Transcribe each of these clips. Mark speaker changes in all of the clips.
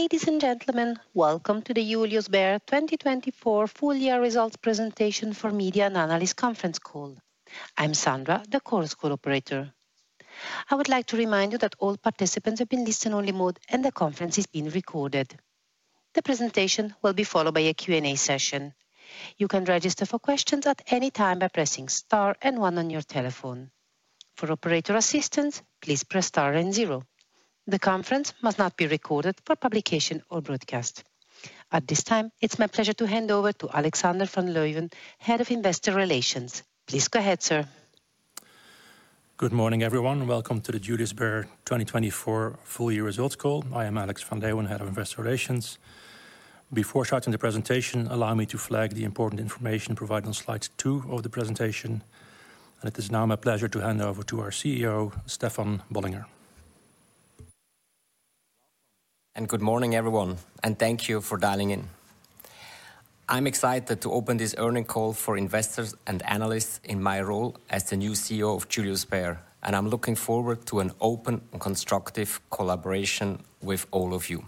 Speaker 1: Ladies and gentlemen, welcome to the Julius Baer 2024 full-year results presentation for media and analysts conference call. I'm Sandra, the conference operator. I would like to remind you that all participants are in listen-only mode and the conference is being recorded. The presentation will be followed by a Q&A session. You can register for questions at any time by pressing star and one on your telephone. For operator assistance, please press star and zero. The conference must not be recorded for publication or broadcast. At this time, it's my pleasure to hand over to Alexander van Leeuwen, Head of Investor Relations. Please go ahead, sir.
Speaker 2: Good morning, everyone. Welcome to the Julius Baer 2024 full-year results call. I am Alex van Leeuwen, Head of Investor Relations. Before starting the presentation, allow me to flag the important information provided on slide two of the presentation. And it is now my pleasure to hand over to our CEO, Stefan Bollinger.
Speaker 3: Good morning, everyone, and thank you for dialing in. I'm excited to open this earnings call for investors and analysts in my role as the new CEO of Julius Baer, and I'm looking forward to an open and constructive collaboration with all of you.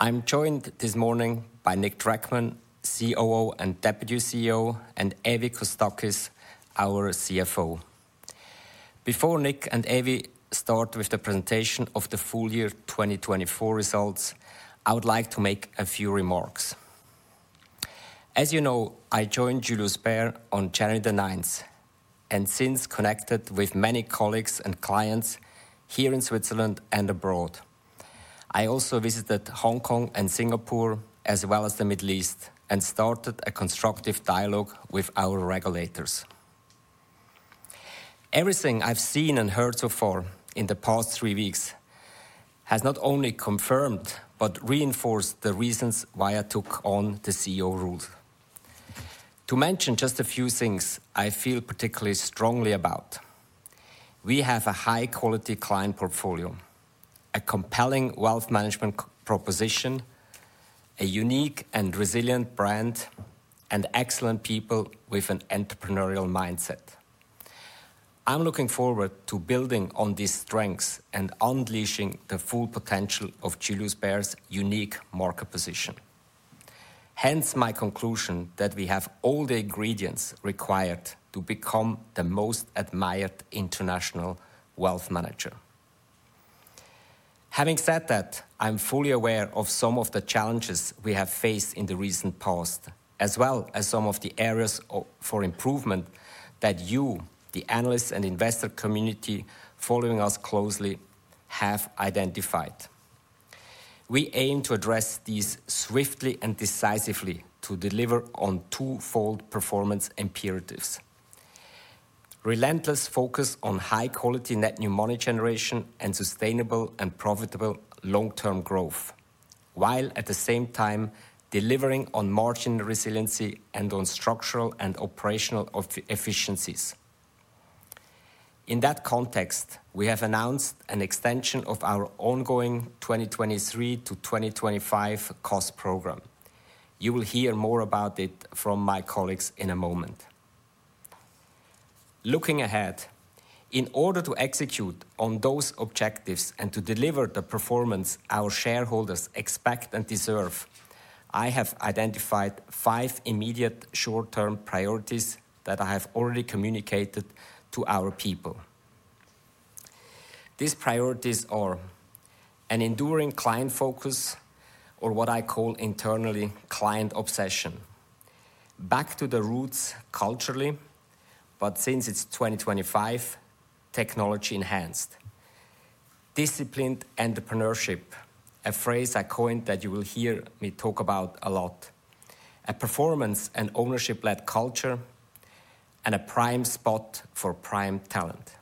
Speaker 3: I'm joined this morning by Nic Dreckmann, COO and Deputy CEO, and Evie Kostakis, our CFO. Before Nic and Evie start with the presentation of the full-year 2024 results, I would like to make a few remarks. As you know, I joined Julius Baer on January 9th and since connected with many colleagues and clients here in Switzerland and abroad. I also visited Hong Kong and Singapore, as well as the Middle East, and started a constructive dialogue with our regulators. Everything I've seen and heard so far in the past three weeks has not only confirmed but reinforced the reasons why I took on the CEO role. To mention just a few things I feel particularly strongly about: we have a high-quality client portfolio, a compelling wealth management proposition, a unique and resilient brand, and excellent people with an entrepreneurial mindset. I'm looking forward to building on these strengths and unleashing the full potential of Julius Baer's unique market position. Hence my conclusion that we have all the ingredients required to become the most admired international wealth manager. Having said that, I'm fully aware of some of the challenges we have faced in the recent past, as well as some of the areas for improvement that you, the analysts and investor community following us closely, have identified. We aim to address these swiftly and decisively to deliver on twofold performance imperatives: relentless focus on high-quality net new money generation and sustainable and profitable long-term growth, while at the same time delivering on margin resiliency and on structural and operational efficiencies. In that context, we have announced an extension of our ongoing 2023 to 2025 cost program. You will hear more about it from my colleagues in a moment. Looking ahead, in order to execute on those objectives and to deliver the performance our shareholders expect and deserve, I have identified five immediate short-term priorities that I have already communicated to our people. These priorities are an enduring client focus, or what I call internally client obsession, back to the roots culturally, but since it's 2025, technology-enhanced, disciplined entrepreneurship, a phrase I coined that you will hear me talk about a lot, a performance and ownership-led culture, and a prime spot for prime talent.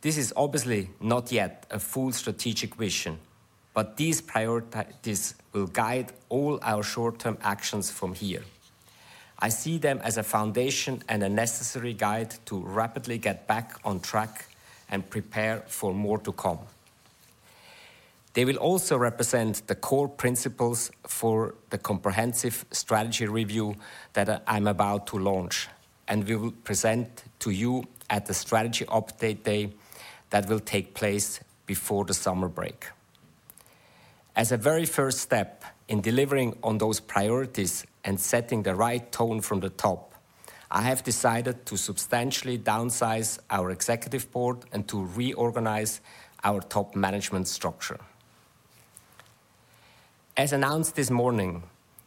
Speaker 3: This is obviously not yet a full strategic vision, but these priorities will guide all our short-term actions from here. I see them as a foundation and a necessary guide to rapidly get back on track and prepare for more to come. They will also represent the core principles for the comprehensive strategy review that I'm about to launch, and we will present to you at the strategy update day that will take place before the summer break. As a very first step in delivering on those priorities and setting the right tone from the top, I have decided to substantially downsize our Executive Board and to reorganize our top management structure. As announced this morning,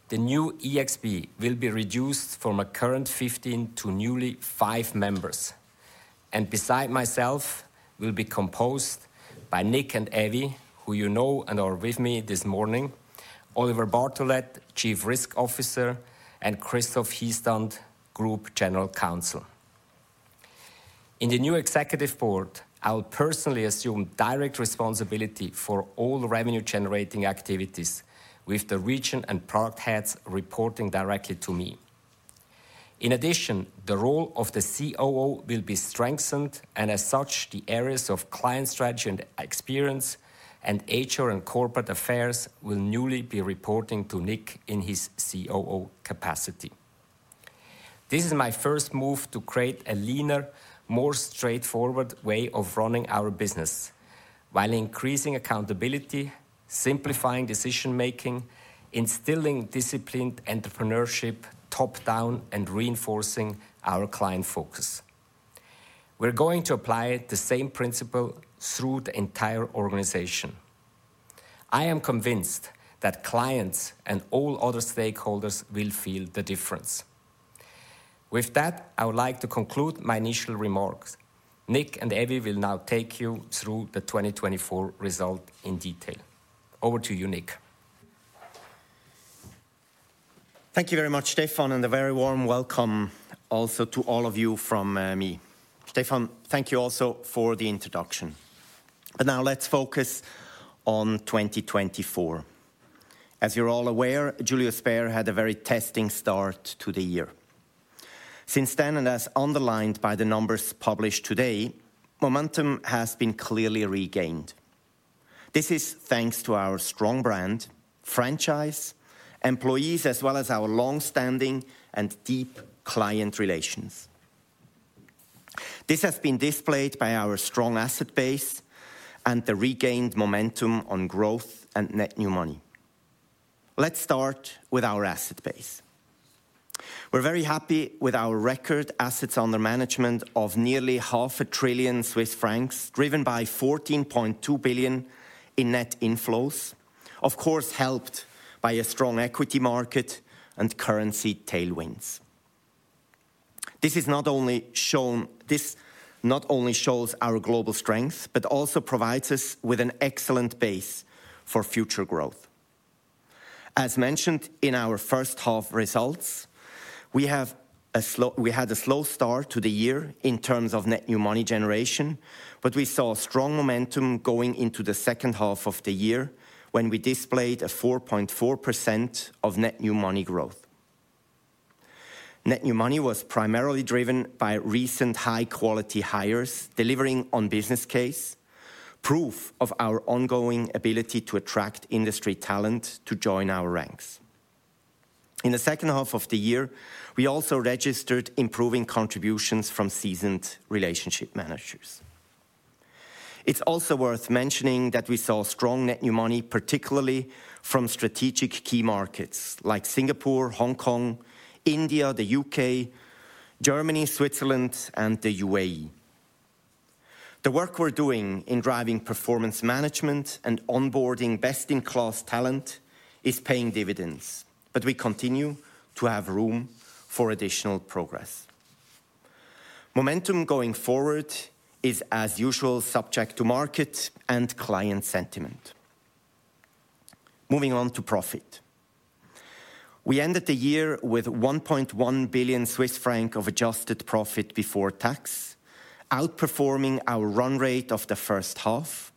Speaker 3: the new EB will be reduced from a current 15 to newly five members, and besides myself will be composed of Nic and Evie, who you know and are with me this morning, Oliver Bartholet, Chief Risk Officer, and Christoph Hiestand, Group General Counsel. In the new Executive Board, I'll personally assume direct responsibility for all revenue-generating activities, with the region and product heads reporting directly to me. In addition, the role of the COO will be strengthened, and as such, the areas of client strategy and experience and HR and corporate affairs will newly be reporting to Nic in his COO capacity. This is my first move to create a leaner, more straightforward way of running our business while increasing accountability, simplifying decision-making, instilling disciplined entrepreneurship top-down, and reinforcing our client focus. We're going to apply the same principle through the entire organization. I am convinced that clients and all other stakeholders will feel the difference. With that, I would like to conclude my initial remarks. Nic and Evie will now take you through the 2024 result in detail. Over to you, Nic.
Speaker 4: Thank you very much, Stefan, and a very warm welcome also to all of you from me. Stefan, thank you also for the introduction. But now let's focus on 2024. As you're all aware, Julius Baer had a very testing start to the year. Since then, and as underlined by the numbers published today, momentum has been clearly regained. This is thanks to our strong brand, franchise, employees, as well as our long-standing and deep client relations. This has been displayed by our strong asset base and the regained momentum on growth and net new money. Let's start with our asset base. We're very happy with our record assets under management of nearly 500 billion Swiss francs, driven by 14.2 billion in net inflows, of course helped by a strong equity market and currency tailwinds. This not only shows our global strength, but also provides us with an excellent base for future growth. As mentioned in our first half results, we had a slow start to the year in terms of net new money generation, but we saw strong momentum going into the second half of the year when we displayed 4.4% net new money growth. Net new money was primarily driven by recent high-quality hires delivering on business case, proof of our ongoing ability to attract industry talent to join our ranks. In the second half of the year, we also registered improving contributions from seasoned relationship managers. It's also worth mentioning that we saw strong net new money, particularly from strategic key markets like Singapore, Hong Kong, India, the U.K., Germany, Switzerland, and the UAE. The work we're doing in driving performance management and onboarding best-in-class talent is paying dividends, but we continue to have room for additional progress. Momentum going forward is, as usual, subject to market and client sentiment. Moving on to profit. We ended the year with 1.1 billion Swiss franc of adjusted profit before tax, outperforming our run rate of the first half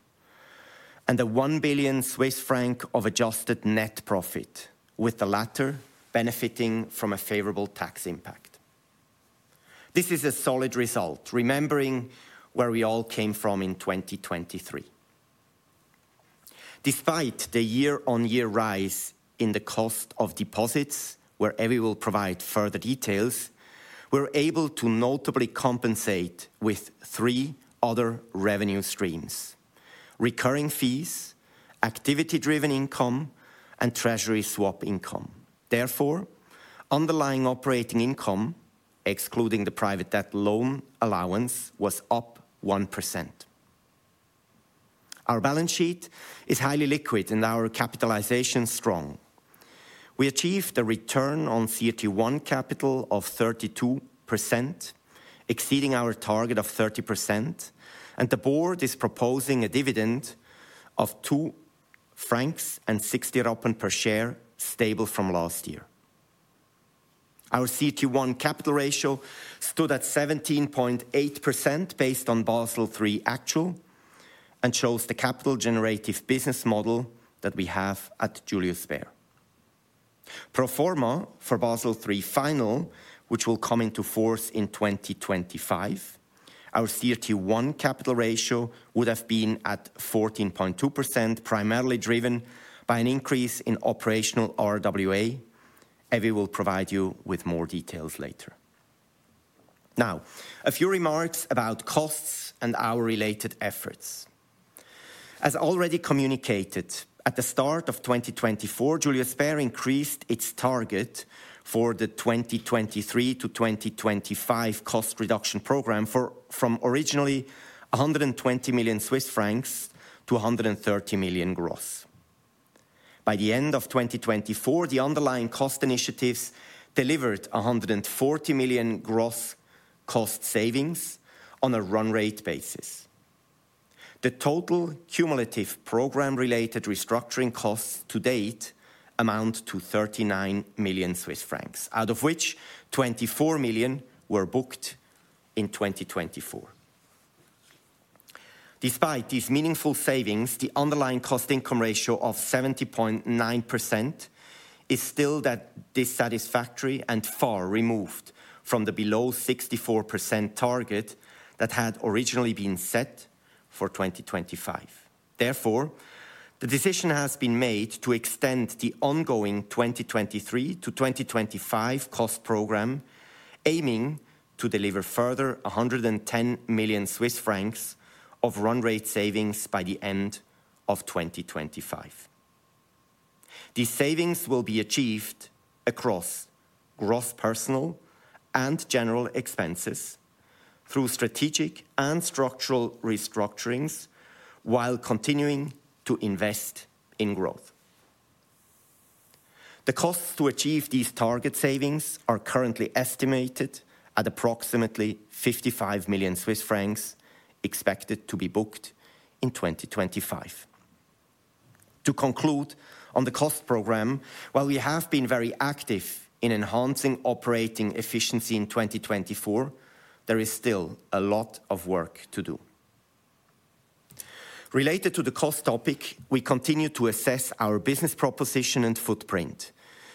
Speaker 4: and the 1 billion Swiss franc of adjusted net profit, with the latter benefiting from a favorable tax impact. This is a solid result, remembering where we all came from in 2023. Despite the year-on-year rise in the cost of deposits, where Evie will provide further details, we're able to notably compensate with three other revenue streams: recurring fees, activity-driven income, and treasury swap income. Therefore, underlying operating income, excluding the private debt loan allowance, was up 1%. Our balance sheet is highly liquid and our capitalization strong. We achieved a return on CET1 capital of 32%, exceeding our target of 30%, and the Board is proposing a dividend of 2.60 francs per share, stable from last year. Our CET1 capital ratio stood at 17.8% based on Basel III actual and shows the capital-generative business model that we have at Julius Baer. Pro forma for Basel III final, which will come into force in 2025, our CET1 capital ratio would have been at 14.2%, primarily driven by an increase in operational RWA. Evie will provide you with more details later. Now, a few remarks about costs and our related efforts. As already communicated at the start of 2024, Julius Baer increased its target for the 2023 to 2025 cost reduction program from originally 120 million Swiss francs to 130 million gross. By the end of 2024, the underlying cost initiatives delivered 140 million gross cost savings on a run rate basis. The total cumulative program-related restructuring costs to date amount to 39 million Swiss francs, out of which 24 million were booked in 2024. Despite these meaningful savings, the underlying cost-income ratio of 70.9% is still dissatisfactory and far removed from the below 64% target that had originally been set for 2025. Therefore, the decision has been made to extend the ongoing 2023 to 2025 cost program, aiming to deliver further 110 million Swiss francs of run rate savings by the end of 2025. These savings will be achieved across gross personnel and general expenses through strategic and structural restructurings while continuing to invest in growth. The costs to achieve these target savings are currently estimated at approximately 55 million Swiss francs expected to be booked in 2025. To conclude on the cost program, while we have been very active in enhancing operating efficiency in 2024, there is still a lot of work to do. Related to the cost topic, we continue to assess our business proposition and footprint,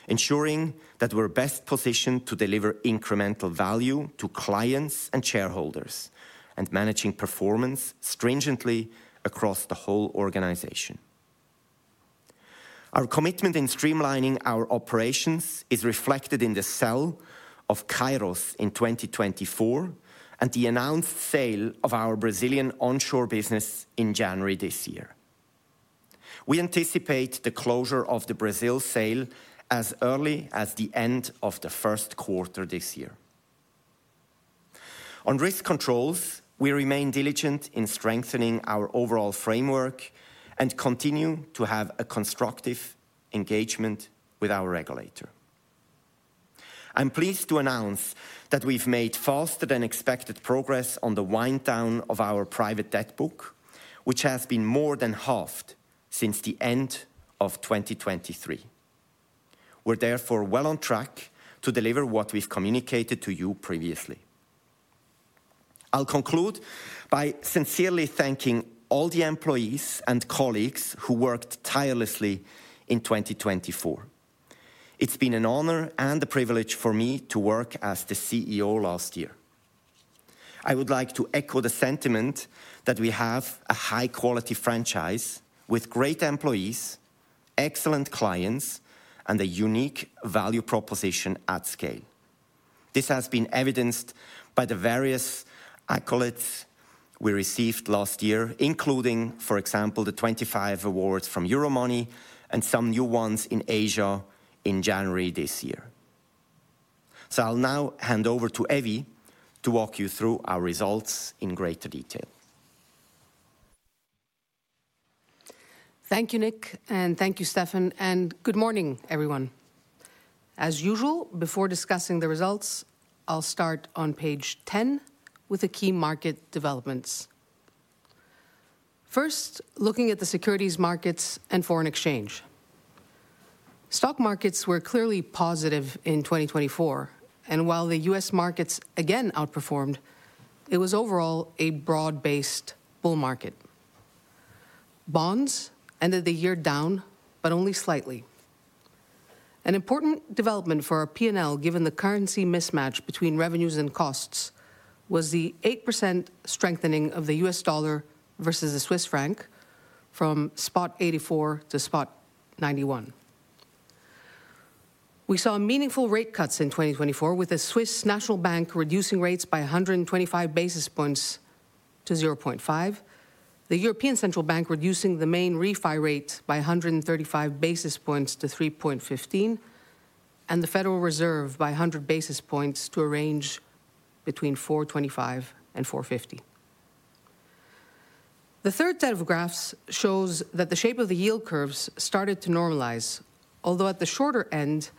Speaker 4: ensuring that we're best positioned to deliver incremental value to clients and shareholders and managing performance stringently across the whole organization. Our commitment in streamlining our operations is reflected in the sale of Kairos in 2024 and the announced sale of our Brazilian onshore business in January this year. We anticipate the closure of the Brazil sale as early as the end of the first quarter this year. On risk controls, we remain diligent in strengthening our overall framework and continue to have a constructive engagement with our regulator. I'm pleased to announce that we've made faster-than-expected progress on the wind-down of our private debt book, which has been more than halved since the end of 2023. We're therefore well on track to deliver what we've communicated to you previously. I'll conclude by sincerely thanking all the employees and colleagues who worked tirelessly in 2024. It's been an honor and a privilege for me to work as the CEO last year. I would like to echo the sentiment that we have a high-quality franchise with great employees, excellent clients, and a unique value proposition at scale. This has been evidenced by the various accolades we received last year, including, for example, the 25 awards from Euromoney and some new ones in Asia in January this year. So I'll now hand over to Evie to walk you through our results in greater detail.
Speaker 5: Thank you, Nic, and thank you, Stefan, and good morning, everyone. As usual, before discussing the results, I'll start on page 10 with the key market developments. First, looking at the securities markets and foreign exchange. Stock markets were clearly positive in 2024, and while the U.S. markets again outperformed, it was overall a broad-based bull market. Bonds ended the year down, but only slightly. An important development for our P&L, given the currency mismatch between revenues and costs, was the 8% strengthening of the U.S. dollar versus the Swiss franc from spot 84 to spot 91. We saw meaningful rate cuts in 2024, with the Swiss National Bank reducing rates by 125 basis points to 0.5, the European Central Bank reducing the main refi rate by 135 basis points to 3.15, and the Federal Reserve by 100 basis points to a range between 4.25 and 4.50. The third set of graphs shows that the shape of the yield curves started to normalize, although at the shorter end,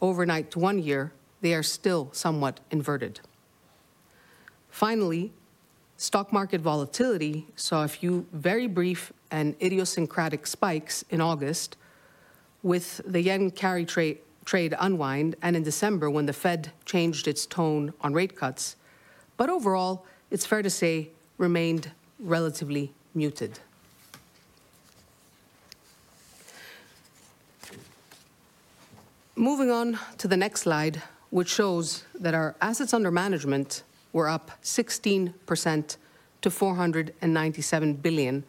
Speaker 5: overnight to one year, they are still somewhat inverted. Finally, stock market volatility saw a few very brief and idiosyncratic spikes in August with the yen carry trade unwind and in December when the Fed changed its tone on rate cuts, but overall, it's fair to say, remained relatively muted. Moving on to the next slide, which shows that our assets under management were up 16% to 497 billion,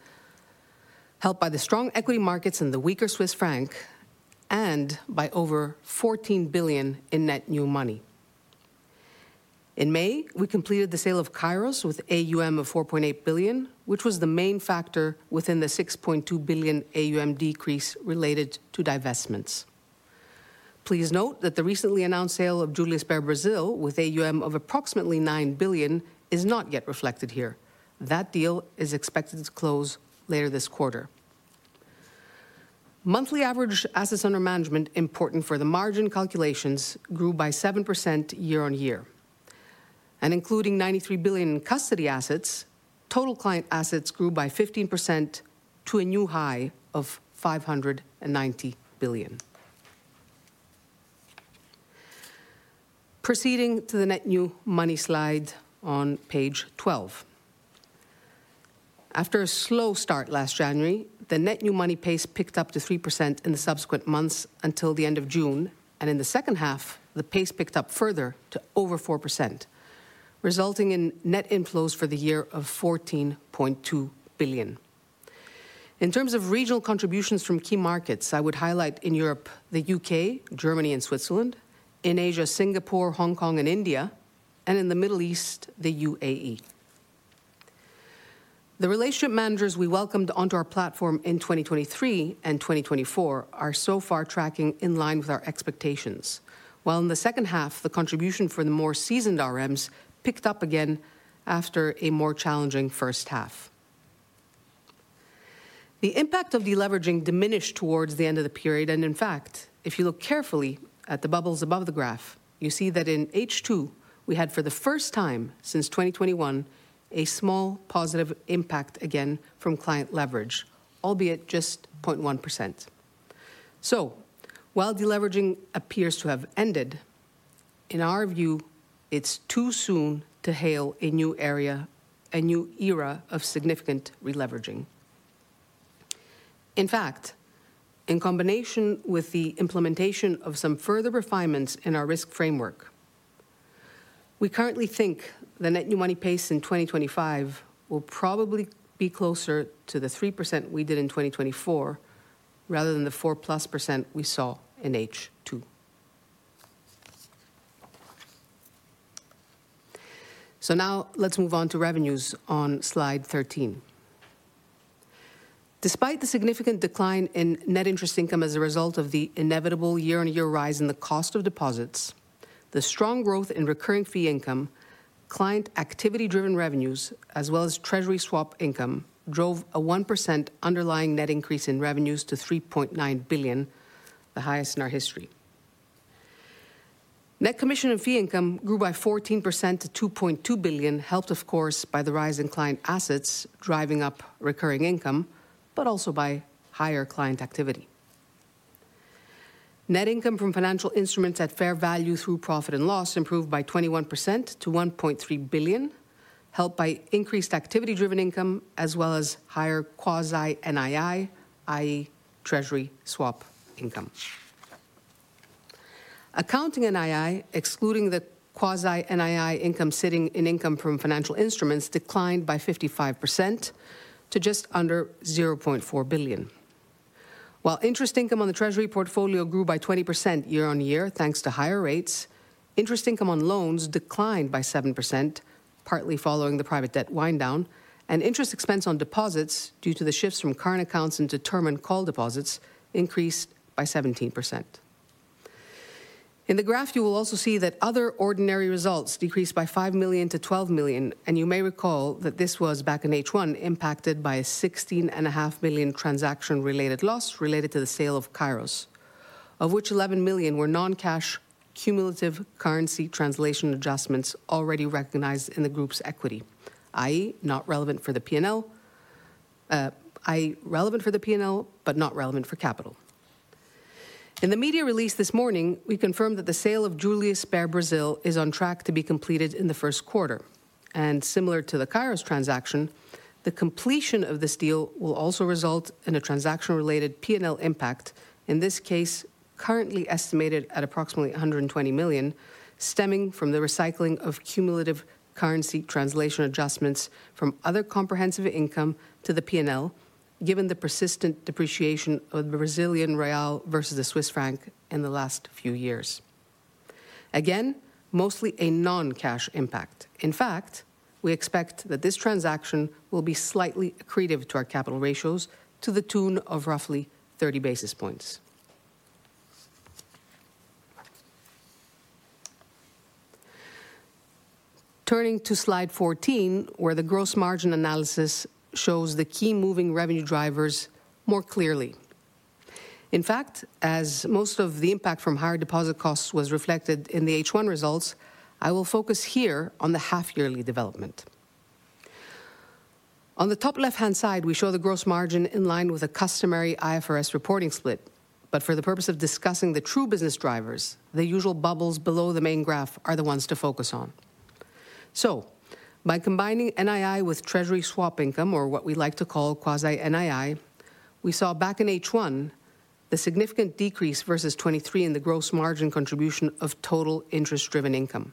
Speaker 5: helped by the strong equity markets and the weaker Swiss franc, and by over 14 billion in net new money. In May, we completed the sale of Kairos with AUM of 4.8 billion, which was the main factor within the 6.2 billion AUM decrease related to divestments. Please note that the recently announced sale of Julius Baer Brazil with AUM of approximately 9 billion is not yet reflected here. That deal is expected to close later this quarter. Monthly average assets under management, important for the margin calculations, grew by 7% year-on-year. Including 93 billion in custody assets, total client assets grew by 15% to a new high of 590 billion. Proceeding to the net new money slide on page 12. After a slow start last January, the net new money pace picked up to 3% in the subsequent months until the end of June, and in the second half, the pace picked up further to over 4%, resulting in net inflows for the year of 14.2 billion. In terms of regional contributions from key markets, I would highlight in Europe, the U.K., Germany, and Switzerland, in Asia, Singapore, Hong Kong, and India, and in the Middle East, the UAE. The relationship managers we welcomed onto our platform in 2023 and 2024 are so far tracking in line with our expectations, while in the second half, the contribution for the more seasoned RMs picked up again after a more challenging first half. The impact of deleveraging diminished towards the end of the period, and in fact, if you look carefully at the bubbles above the graph, you see that in H2, we had for the first time since 2021, a small positive impact again from client leverage, albeit just 0.1%. So, while deleveraging appears to have ended, in our view, it's too soon to hail a new area, a new era of significant releveraging. In fact, in combination with the implementation of some further refinements in our risk framework, we currently think the net new money pace in 2025 will probably be closer to the 3% we did in 2024 rather than the 4%+ we saw in H2. So now let's move on to revenues on slide 13. Despite the significant decline in net interest income as a result of the inevitable year-on-year rise in the cost of deposits, the strong growth in recurring fee income, client activity-driven revenues, as well as treasury swap income, drove a 1% underlying net increase in revenues to 3.9 billion, the highest in our history. Net commission and fee income grew by 14% to 2.2 billion, helped, of course, by the rise in client assets driving up recurring income, but also by higher client activity. Net income from financial instruments at fair value through profit and loss improved by 21% to 1.3 billion, helped by increased activity-driven income, as well as higher quasi-NII, i.e., treasury swap income. Accounting NII, excluding the quasi-NII income sitting in income from financial instruments, declined by 55% to just under 0.4 billion. While interest income on the treasury portfolio grew by 20% year-on-year, thanks to higher rates, interest income on loans declined by 7%, partly following the private debt wind-down, and interest expense on deposits due to the shifts from current accounts into term and call deposits increased by 17%. In the graph, you will also see that other ordinary results decreased by 5 million to 12 million, and you may recall that this was back in H1 impacted by a 16.5 million transaction-related loss related to the sale of Kairos, of which 11 million were non-cash cumulative currency translation adjustments already recognized in the group's equity, i.e., not relevant for the P&L, but not relevant for capital. In the media release this morning, we confirmed that the sale of Julius Baer Brazil is on track to be completed in the first quarter, and similar to the Kairos transaction, the completion of this deal will also result in a transaction-related P&L impact, in this case currently estimated at approximately 120 million, stemming from the recycling of cumulative currency translation adjustments from other comprehensive income to the P&L, given the persistent depreciation of the Brazilian real versus the Swiss franc in the last few years. Again, mostly a non-cash impact. In fact, we expect that this transaction will be slightly accretive to our capital ratios to the tune of roughly 30 basis points. Turning to slide 14, where the gross margin analysis shows the key moving revenue drivers more clearly. In fact, as most of the impact from higher deposit costs was reflected in the H1 results, I will focus here on the half-yearly development. On the top left-hand side, we show the gross margin in line with a customary IFRS reporting split, but for the purpose of discussing the true business drivers, the usual bubbles below the main graph are the ones to focus on. So, by combining NII with treasury swap income, or what we like to call quasi-NII, we saw back in H1 the significant decrease versus 2023 in the gross margin contribution of total interest-driven income.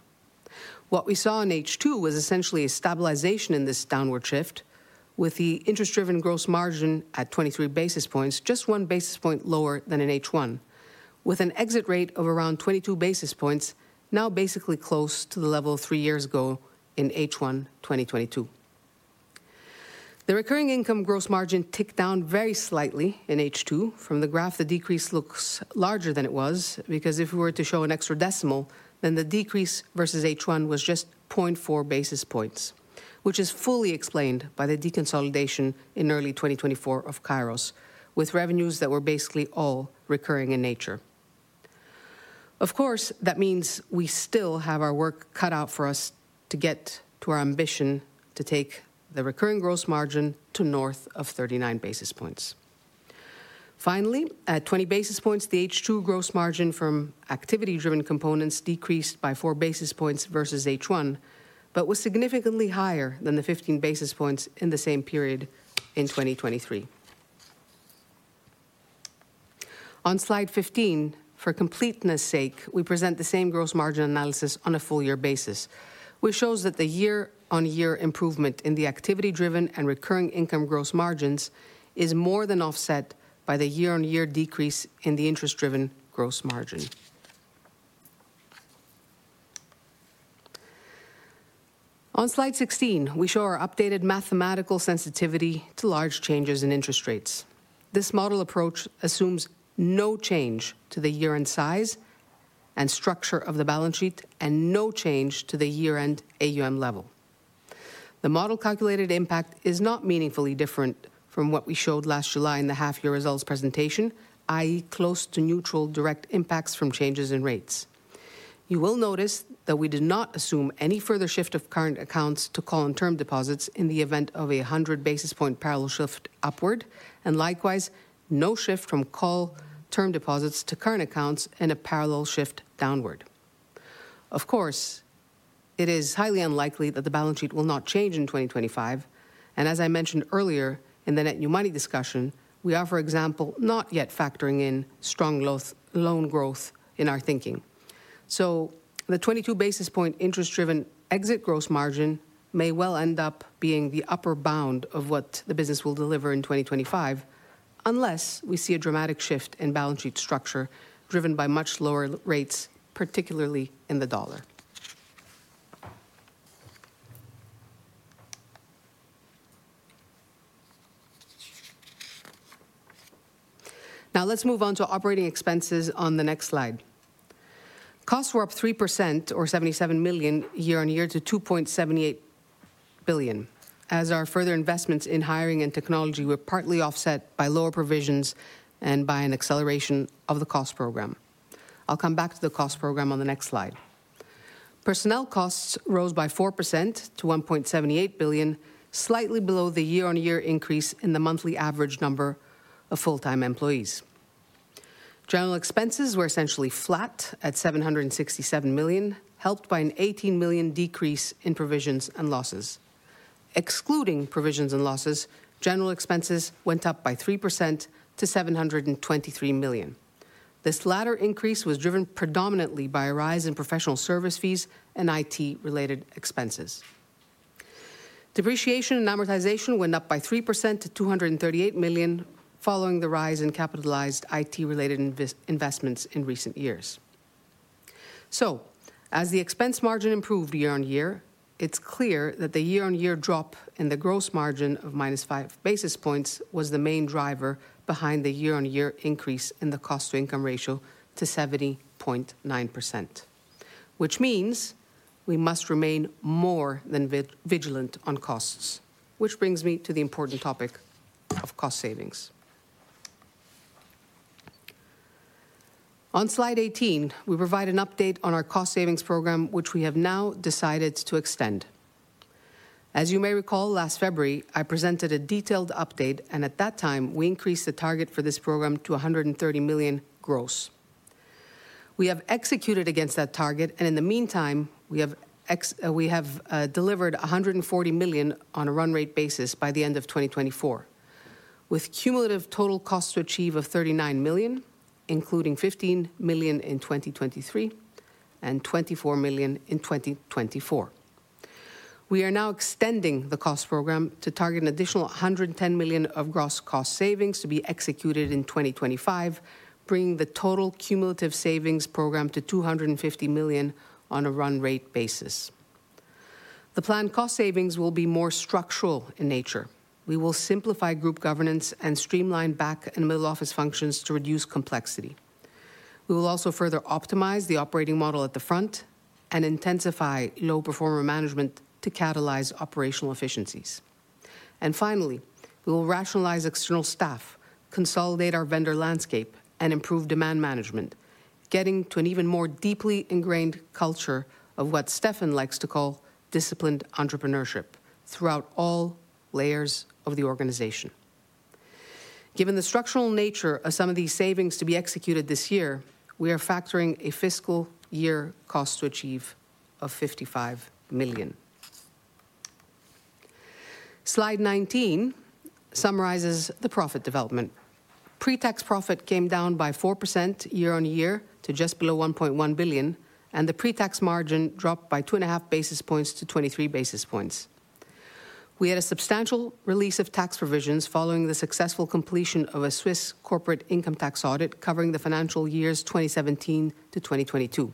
Speaker 5: What we saw in H2 was essentially a stabilization in this downward shift, with the interest-driven gross margin at 23 basis points, just one basis point lower than in H1, with an exit rate of around 22 basis points, now basically close to the level three years ago in H1 2022. The recurring income gross margin ticked down very slightly in H2. From the graph, the decrease looks larger than it was, because if we were to show an extra decimal, then the decrease versus H1 was just 0.4 basis points, which is fully explained by the deconsolidation in early 2024 of Kairos, with revenues that were basically all recurring in nature. Of course, that means we still have our work cut out for us to get to our ambition to take the recurring gross margin to north of 39 basis points. Finally, at 20 basis points, the H2 gross margin from activity-driven components decreased by 4 basis points versus H1, but was significantly higher than the 15 basis points in the same period in 2023. On slide 15, for completeness' sake, we present the same gross margin analysis on a full-year basis, which shows that the year-on-year improvement in the activity-driven and recurring income gross margins is more than offset by the year-on-year decrease in the interest-driven gross margin. On slide 16, we show our updated mathematical sensitivity to large changes in interest rates. This model approach assumes no change to the year-end size and structure of the balance sheet and no change to the year-end AUM level. The model calculated impact is not meaningfully different from what we showed last July in the half-year results presentation, i.e., close to neutral direct impacts from changes in rates. You will notice that we did not assume any further shift of current accounts to call and term deposits in the event of a 100 basis point parallel shift upward, and likewise, no shift from call term deposits to current accounts in a parallel shift downward. Of course, it is highly unlikely that the balance sheet will not change in 2025, and as I mentioned earlier in the net new money discussion, we are, for example, not yet factoring in strong loan growth in our thinking. So, the 22 basis point interest-driven exit gross margin may well end up being the upper bound of what the business will deliver in 2025, unless we see a dramatic shift in balance sheet structure driven by much lower rates, particularly in the dollar. Now let's move on to operating expenses on the next slide. Costs were up 3%, or 77 million, year-on-year to 2.78 billion, as our further investments in hiring and technology were partly offset by lower provisions and by an acceleration of the cost program. I'll come back to the cost program on the next slide. Personnel costs rose by 4% to 1.78 billion, slightly below the year-on-year increase in the monthly average number of full-time employees. General expenses were essentially flat at 767 million, helped by an 18 million decrease in provisions and losses. Excluding provisions and losses, general expenses went up by 3% to 723 million. This latter increase was driven predominantly by a rise in professional service fees and IT-related expenses. Depreciation and amortization went up by 3% to 238 million, following the rise in capitalized IT-related investments in recent years. As the expense margin improved year-on-year, it's clear that the year-on-year drop in the gross margin of minus five basis points was the main driver behind the year-on-year increase in the cost-to-income ratio to 70.9%, which means we must remain more than vigilant on costs, which brings me to the important topic of cost savings. On slide 18, we provide an update on our cost savings program, which we have now decided to extend. As you may recall, last February, I presented a detailed update, and at that time, we increased the target for this program to 130 million gross. We have executed against that target, and in the meantime, we have delivered 140 million on a run-rate basis by the end of 2024, with cumulative total cost to achieve of 39 million, including 15 million in 2023 and 24 million in 2024. We are now extending the cost program to target an additional 110 million of gross cost savings to be executed in 2025, bringing the total cumulative savings program to 250 million on a run-rate basis. The planned cost savings will be more structural in nature. We will simplify group governance and streamline back and middle office functions to reduce complexity. We will also further optimize the operating model at the front and intensify low-performer management to catalyze operational efficiencies. And finally, we will rationalize external staff, consolidate our vendor landscape, and improve demand management, getting to an even more deeply ingrained culture of what Stefan likes to call disciplined entrepreneurship throughout all layers of the organization. Given the structural nature of some of these savings to be executed this year, we are factoring a fiscal year cost to achieve of 55 million. Slide 19 summarizes the profit development. Pre-tax profit came down by 4% year-on-year to just below 1.1 billion, and the pre-tax margin dropped by 2.5 basis points to 23 basis points. We had a substantial release of tax provisions following the successful completion of a Swiss corporate income tax audit covering the financial years 2017 to 2022.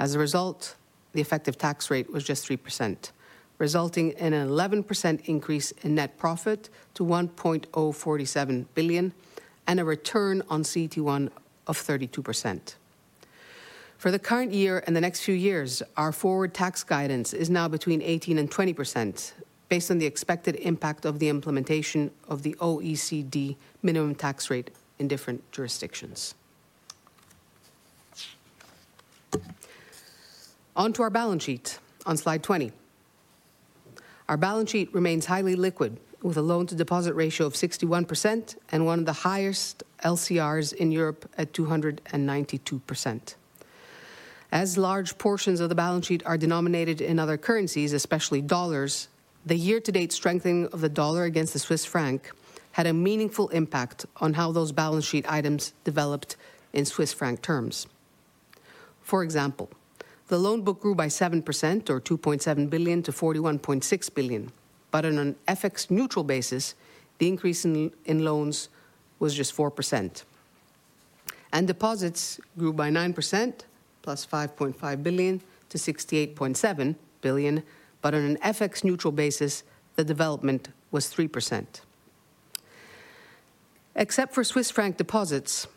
Speaker 5: As a result, the effective tax rate was just 3%, resulting in an 11% increase in net profit to 1.047 billion and a return on CET1 of 32%. For the current year and the next few years, our forward tax guidance is now between 18 and 20%, based on the expected impact of the implementation of the OECD minimum tax rate in different jurisdictions. Onto our balance sheet on slide 20. Our balance sheet remains highly liquid, with a loan-to-deposit ratio of 61% and one of the highest LCRs in Europe at 292%. As large portions of the balance sheet are denominated in other currencies, especially dollars, the year-to-date strengthening of the dollar against the Swiss franc had a meaningful impact on how those balance sheet items developed in Swiss franc terms. For example, the loan book grew by 7%, or 2.7 billion, to 41.6 billion, but on an FX-neutral basis, the increase in loans was just 4%. And deposits grew by 9%, plus 5.5 billion, to 68.7 billion, but on an FX-neutral basis, the development was 3%. Except for Swiss franc deposits,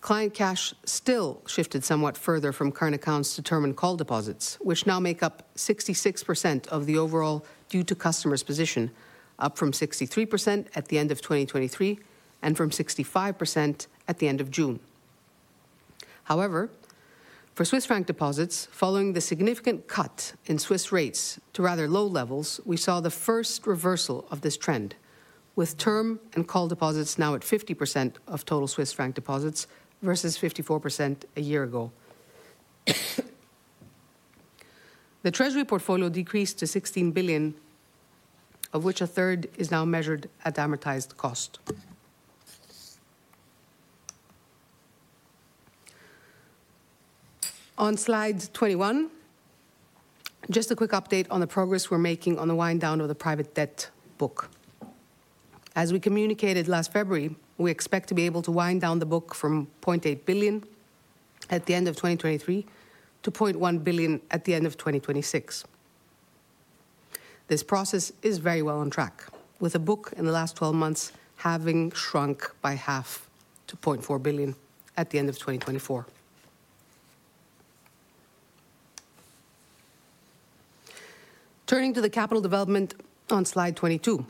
Speaker 5: client cash still shifted somewhat further from current accounts to term and call deposits, which now make up 66% of the overall due to customers position, up from 63% at the end of 2023 and from 65% at the end of June. However, for Swiss franc deposits, following the significant cut in Swiss rates to rather low levels, we saw the first reversal of this trend, with term and call deposits now at 50% of total Swiss franc deposits versus 54% a year ago. The treasury portfolio decreased to 16 billion, of which a third is now measured at amortized cost. On slide 21, just a quick update on the progress we're making on the wind-down of the private debt book. As we communicated last February, we expect to be able to wind down the book from 0.8 billion at the end of 2023 to 0.1 billion at the end of 2026. This process is very well on track, with the book in the last 12 months having shrunk by half to 0.4 billion at the end of 2024. Turning to the capital development on slide 22,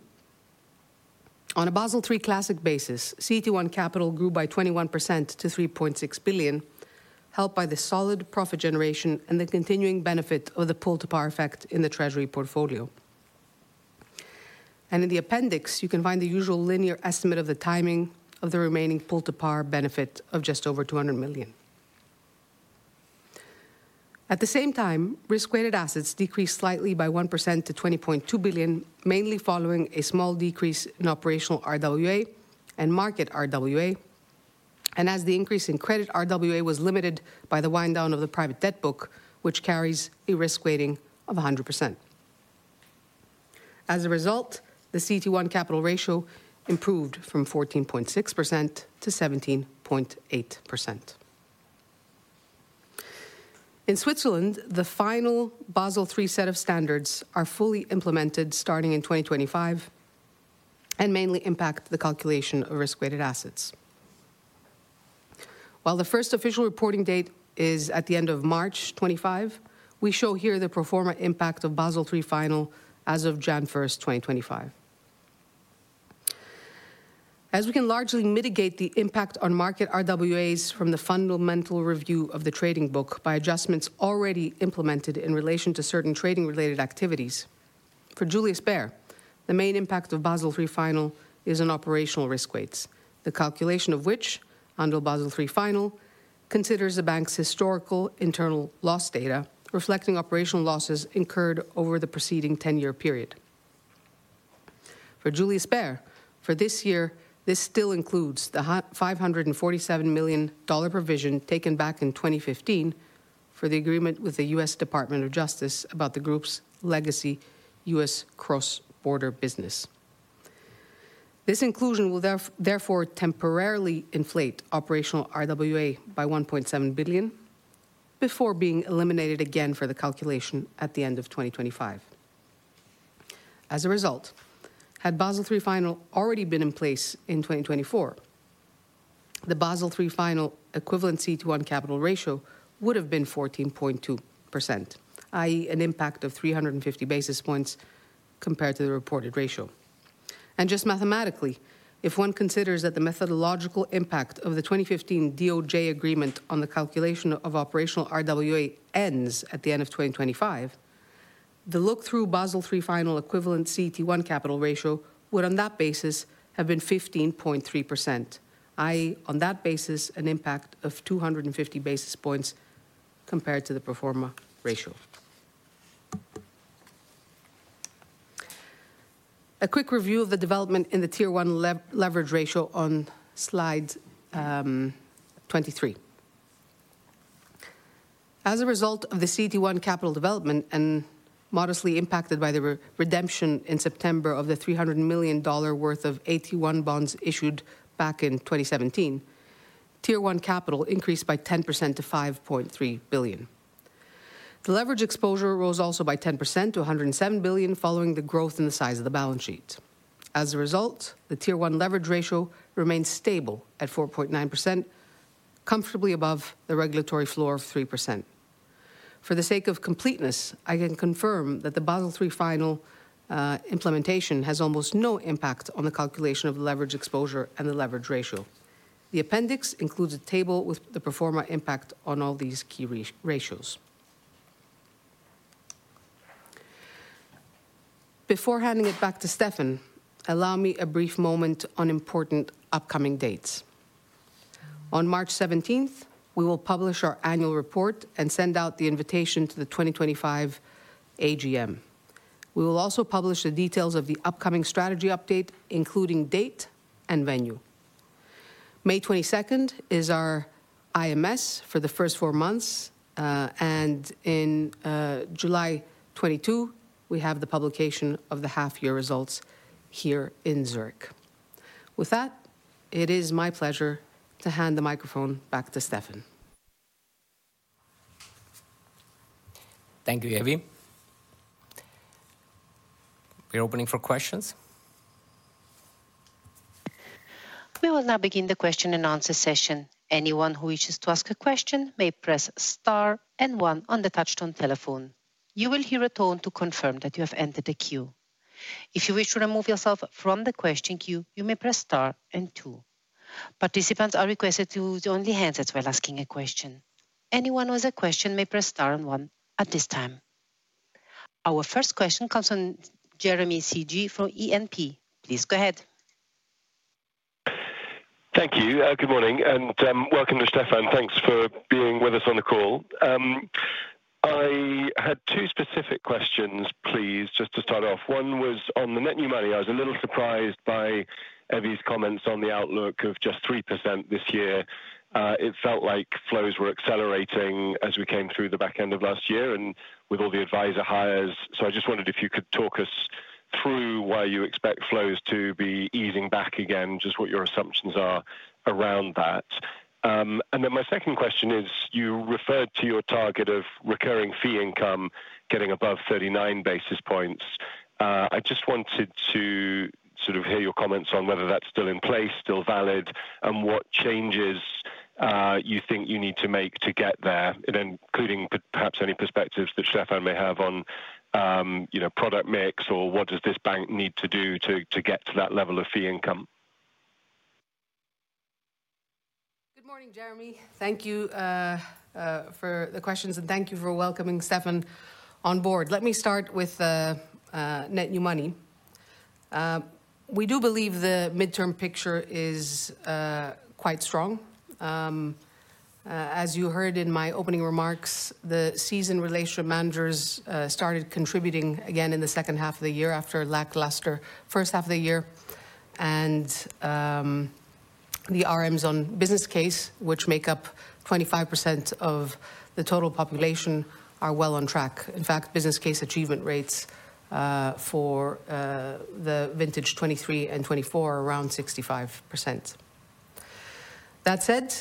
Speaker 5: on a Basel III classic basis, CET1 capital grew by 21% to 3.6 billion, helped by the solid profit generation and the continuing benefit of the pull-to-par effect in the treasury portfolio, and in the appendix, you can find the usual linear estimate of the timing of the remaining pull-to-par benefit of just over 200 million. At the same time, risk-weighted assets decreased slightly by 1% to 20.2 billion, mainly following a small decrease in operational RWA and market RWA, and as the increase in credit RWA was limited by the wind-down of the private debt book, which carries a risk weighting of 100%. As a result, the CET1 capital ratio improved from 14.6% to 17.8%. In Switzerland, the final Basel III set of standards are fully implemented starting in 2025 and mainly impact the calculation of risk-weighted assets. While the first official reporting date is at the end of March 2025, we show here the proforma impact of Basel III final as of January 1st, 2025. As we can largely mitigate the impact on market RWAs from the Fundamental Review of the Trading Book by adjustments already implemented in relation to certain trading-related activities, for Julius Baer, the main impact of Basel III final is on operational risk weights, the calculation of which, under Basel III final, considers the bank's historical internal loss data, reflecting operational losses incurred over the preceding 10-year period. For Julius Baer, for this year, this still includes the $547 million provision taken back in 2015 for the agreement with the U.S. Department of Justice about the group's legacy U.S. cross-border business. This inclusion will therefore temporarily inflate operational RWA by 1.7 billion before being eliminated again for the calculation at the end of 2025. As a result, had Basel III final already been in place in 2024, the Basel III final equivalent CET1 capital ratio would have been 14.2%, i.e., an impact of 350 basis points compared to the reported ratio. Just mathematically, if one considers that the methodological impact of the 2015 DOJ agreement on the calculation of operational RWA ends at the end of 2025, the look-through Basel III final equivalent CET1 capital ratio would, on that basis, have been 15.3%, i.e., on that basis, an impact of 250 basis points compared to the pro forma ratio. A quick review of the development in the Tier 1 leverage ratio on slide 23. As a result of the CET1 capital development and modestly impacted by the redemption in September of the $300 million worth of AT1 bonds issued back in 2017, Tier 1 capital increased by 10% to 5.3 billion. The leverage exposure rose also by 10% to 107 billion, following the growth in the size of the balance sheet. As a result, the Tier 1 leverage ratio remains stable at 4.9%, comfortably above the regulatory floor of 3%. For the sake of completeness, I can confirm that the Basel III final implementation has almost no impact on the calculation of the leverage exposure and the leverage ratio. The appendix includes a table with the pro forma impact on all these key ratios. Before handing it back to Stefan, allow me a brief moment on important upcoming dates. On March 17th, we will publish our annual report and send out the invitation to the 2025 AGM. We will also publish the details of the upcoming strategy update, including date and venue. May 22nd is our IMS for the first four months, and in July 2022, we have the publication of the half-year results here in Zurich. With that, it is my pleasure to hand the microphone back to Stefan.
Speaker 3: Thank you, Evie. We're opening for questions.
Speaker 1: We will now begin the question and answer session. Anyone who wishes to ask a question may press star and one on the touch-tone telephone. You will hear a tone to confirm that you have entered the queue. If you wish to remove yourself from the question queue, you may press star and two. Participants are requested to use only handsets while asking a question. Anyone who has a question may press star and one at this time. Our first question comes from Jeremy Sigee from BNP Paribas Exane. Please go ahead.
Speaker 6: Thank you. Good morning and welcome to Stefan. Thanks for being with us on the call. I had two specific questions, please, just to start off. One was on the net new money. I was a little surprised by Evie's comments on the outlook of just 3% this year. It felt like flows were accelerating as we came through the back end of last year and with all the advisor hires. So I just wondered if you could talk us through why you expect flows to be easing back again, just what your assumptions are around that. And then my second question is, you referred to your target of recurring fee income getting above 39 basis points. I just wanted to sort of hear your comments on whether that's still in place, still valid, and what changes you think you need to make to get there, including perhaps any perspectives that Stefan may have on product mix or what does this bank need to do to get to that level of fee income?
Speaker 5: Good morning, Jeremy. Thank you for the questions and thank you for welcoming Stefan on board. Let me start with net new money. We do believe the midterm picture is quite strong. As you heard in my opening remarks, the senior relationship managers started contributing again in the second half of the year after lackluster first half of the year, and the RMs on business case, which make up 25% of the total population, are well on track. In fact, business case achievement rates for the vintage 2023 and 2024 are around 65%. That said,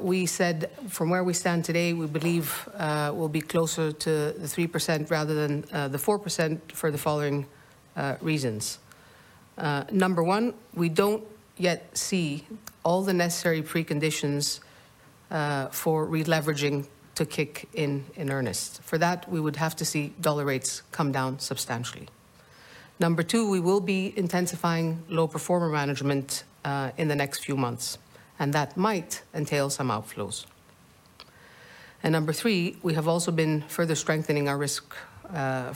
Speaker 5: we said from where we stand today, we believe we'll be closer to the 3% rather than the 4% for the following reasons. Number one, we don't yet see all the necessary preconditions for releveraging to kick in earnest. For that, we would have to see dollar rates come down substantially. Number two, we will be intensifying low performer management in the next few months, and that might entail some outflows. and number three, we have also been further strengthening our risk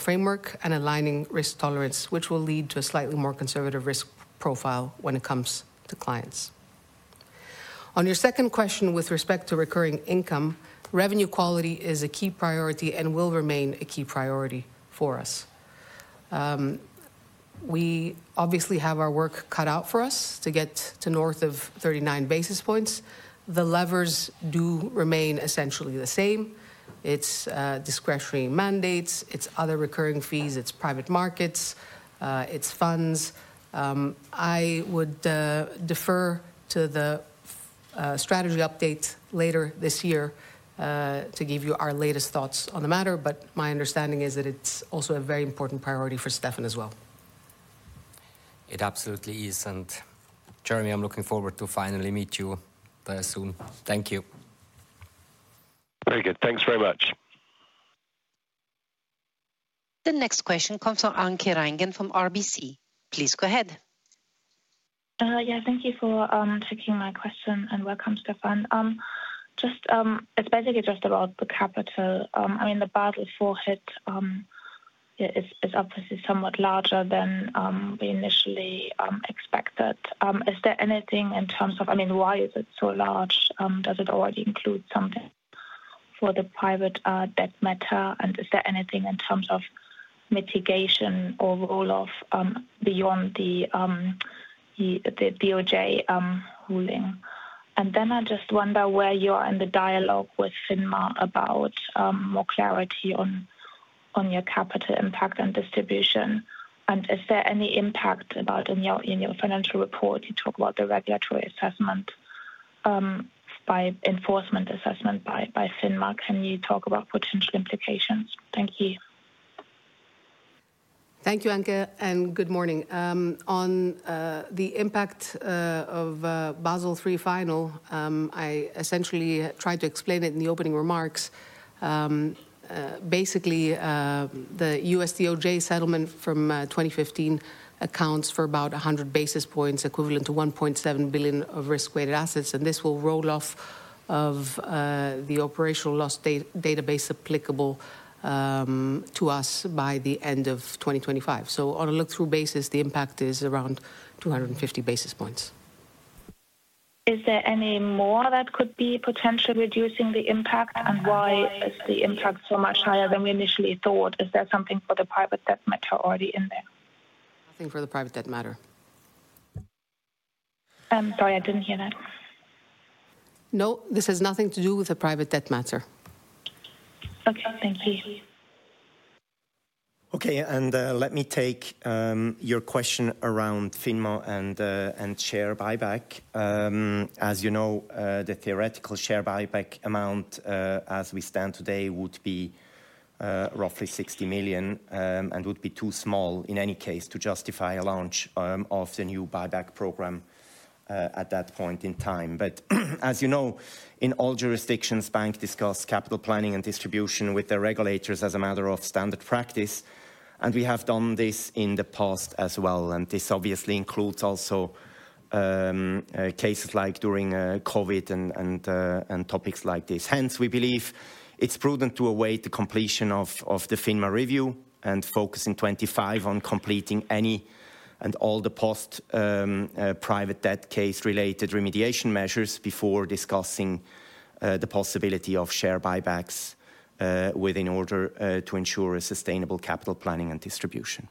Speaker 5: framework and aligning risk tolerance, which will lead to a slightly more conservative risk profile when it comes to clients. On your second question with respect to recurring income, revenue quality is a key priority and will remain a key priority for us. We obviously have our work cut out for us to get to north of 39 basis points. The levers do remain essentially the same. It's discretionary mandates, it's other recurring fees, it's private markets, it's funds. I would defer to the strategy update later this year to give you our latest thoughts on the matter, but my understanding is that it's also a very important priority for Stefan as well.
Speaker 3: It absolutely is. And Jeremy, I'm looking forward to finally meet you there soon. Thank you.
Speaker 6: Very good. Thanks very much.
Speaker 1: The next question comes from Anke Reingen from RBC. Please go ahead.
Speaker 7: Yeah, thank you for taking my question and welcome, Stefan. It's basically just about the capital. I mean, the Basel IV hit is obviously somewhat larger than we initially expected. Is there anything in terms of, I mean, why is it so large? Does it already include something for the private debt matter? And is there anything in terms of mitigation or roll-off beyond the DOJ ruling? And then I just wonder where you are in the dialogue with FINMA about more clarity on your capital impact and distribution. And is there any impact about in your financial report? You talk about the regulatory assessment by enforcement assessment by FINMA. Can you talk about potential implications? Thank you.
Speaker 5: Thank you, Anke, and good morning. On the impact of Basel III final, I essentially tried to explain it in the opening remarks. Basically, the U.S. DOJ settlement from 2015 accounts for about 100 basis points equivalent to 1.7 billion of risk-weighted assets. And this will roll off of the operational loss database applicable to us by the end of 2025. So on a look-through basis, the impact is around 250 basis points.
Speaker 7: Is there any more that could be potentially reducing the impact? Why is the impact so much higher than we initially thought? Is there something for the private debt matter already in there?
Speaker 5: Nothing for the private debt matter.
Speaker 7: I'm sorry, I didn't hear that.
Speaker 5: No, this has nothing to do with a private debt matter.
Speaker 7: Okay, thank you.
Speaker 3: Okay, and let me take your question around FINMA and share buyback. As you know, the theoretical share buyback amount as we stand today would be roughly 60 million and would be too small in any case to justify a launch of the new buyback program at that point in time. But as you know, in all jurisdictions, banks discuss capital planning and distribution with their regulators as a matter of standard practice. We have done this in the past as well. This obviously includes also cases like during COVID and topics like this. Hence, we believe it's prudent to await the completion of the FINMA review and focus in 2025 on completing any and all the post-private debt case-related remediation measures before discussing the possibility of share buybacks in order to ensure a sustainable capital planning and distribution.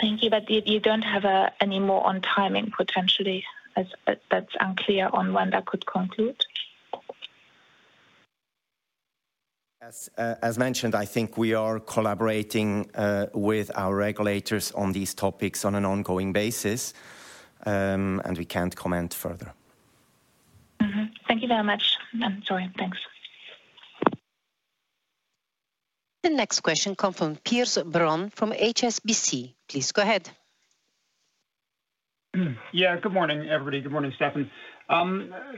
Speaker 3: Thank you, but you don't have any more on timing potentially. That's unclear on when that could conclude. As mentioned, I think we are collaborating with our regulators on these topics on an ongoing basis, and we can't comment further.
Speaker 7: Thank you very much. I'm sorry. Thanks.
Speaker 1: The next question comes from Piers Brown from HSBC. Please go ahead.
Speaker 8: Yeah, good morning, everybody. Good morning, Stefan.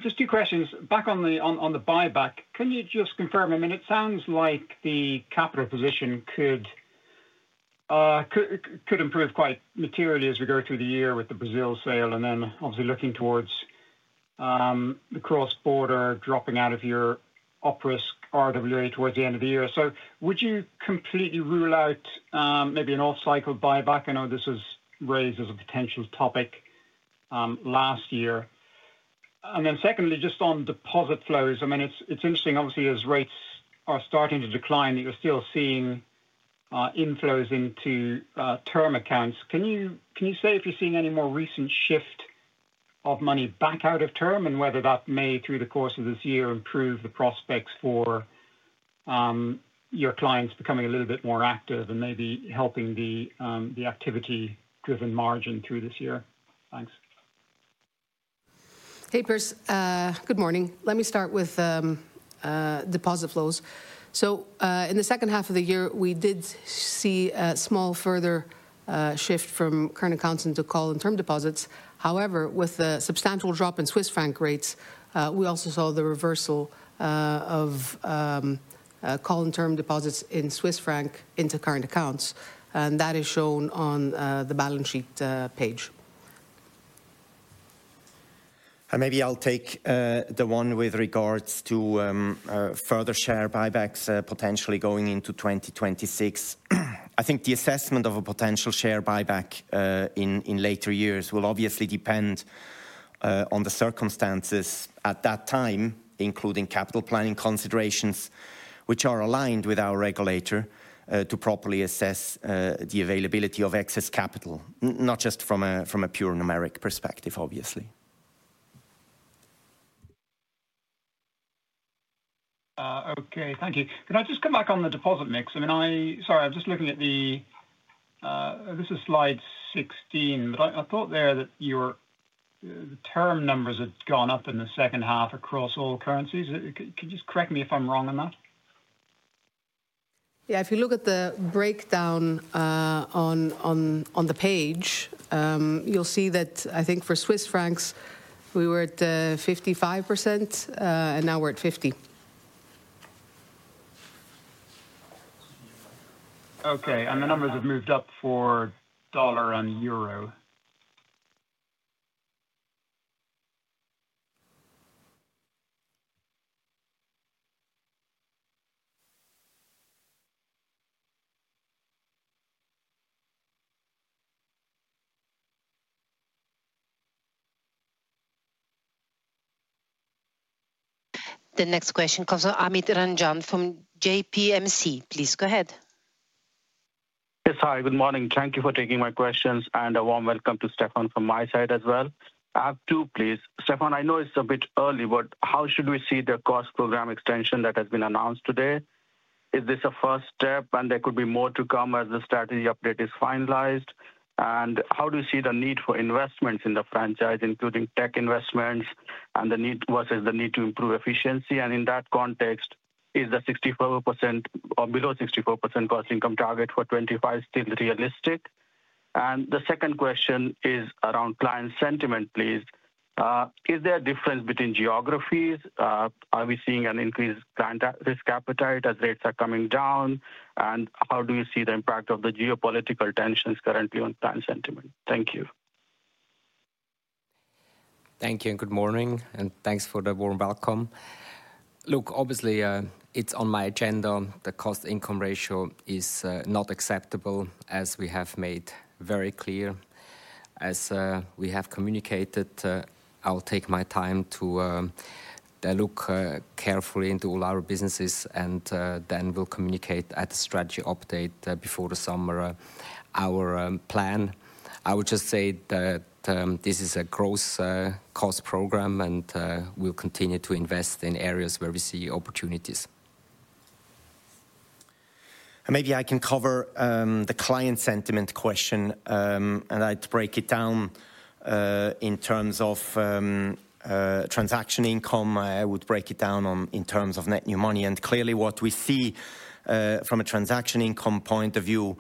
Speaker 8: Just two questions. Back on the buyback, can you just confirm? I mean, it sounds like the capital position could improve quite materially as we go through the year with the Brazil sale and then obviously looking towards the cross-border dropping out of your operational RWA towards the end of the year. So would you completely rule out maybe an off-cycle buyback? I know this was raised as a potential topic last year. And then secondly, just on deposit flows, I mean, it's interesting obviously as rates are starting to decline, you're still seeing inflows into term accounts. Can you say if you're seeing any more recent shift of money back out of term and whether that may, through the course of this year, improve the prospects for your clients becoming a little bit more active and maybe helping the activity-driven margin through this year? Thanks.
Speaker 5: Hey, Piers. Good morning. Let me start with deposit flows. So in the second half of the year, we did see a small further shift from current accounts into call and term deposits. However, with the substantial drop in Swiss franc rates, we also saw the reversal of call and term deposits in Swiss franc into current accounts. And that is shown on the balance sheet page.
Speaker 3: And maybe I'll take the one with regards to further share buybacks potentially going into 2026. I think the assessment of a potential share buyback in later years will obviously depend on the circumstances at that time, including capital planning considerations, which are aligned with our regulator to properly assess the availability of excess capital, not just from a pure numeric perspective, obviously.
Speaker 8: Okay, thank you. Can I just come back on the deposit mix? I mean, sorry, I'm just looking at the slide 16, but I thought there that the term numbers had gone up in the second half across all currencies. Could you just correct me if I'm wrong on that?
Speaker 5: Yeah, if you look at the breakdown on the page, you'll see that I think for Swiss francs, we were at 55% and now we're at 50%.
Speaker 8: Okay, and the numbers have moved up for dollar and euro.
Speaker 1: The next question comes from Amit Ranjan from JPMC. Please go ahead.
Speaker 9: Yes, hi, good morning. Thank you for taking my questions and a warm welcome to Stefan from my side as well. I have two, please. Stefan, I know it's a bit early, but how should we see the cost program extension that has been announced today? Is this a first step and there could be more to come as the strategy update is finalized? And how do you see the need for investments in the franchise, including tech investments and the need versus the need to improve efficiency? And in that context, is the 64% or below 64% cost-income target for 2025 still realistic? And the second question is around client sentiment, please. Is there a difference between geographies? Are we seeing an increased client risk appetite as rates are coming down? And how do you see the impact of the geopolitical tensions currently on client sentiment? Thank you.
Speaker 3: Thank you and good morning, and thanks for the warm welcome. Look, obviously, it's on my agenda. The cost-income ratio is not acceptable as we have made very clear. As we have communicated, I'll take my time to look carefully into all our businesses and then we'll communicate at the strategy update before the summer, our plan. I would just say that this is a gross cost program and we'll continue to invest in areas where we see opportunities, and maybe I can cover the client sentiment question and I'd break it down in terms of transaction income. I would break it down in terms of net new money, and clearly, what we see from a transaction income point of view,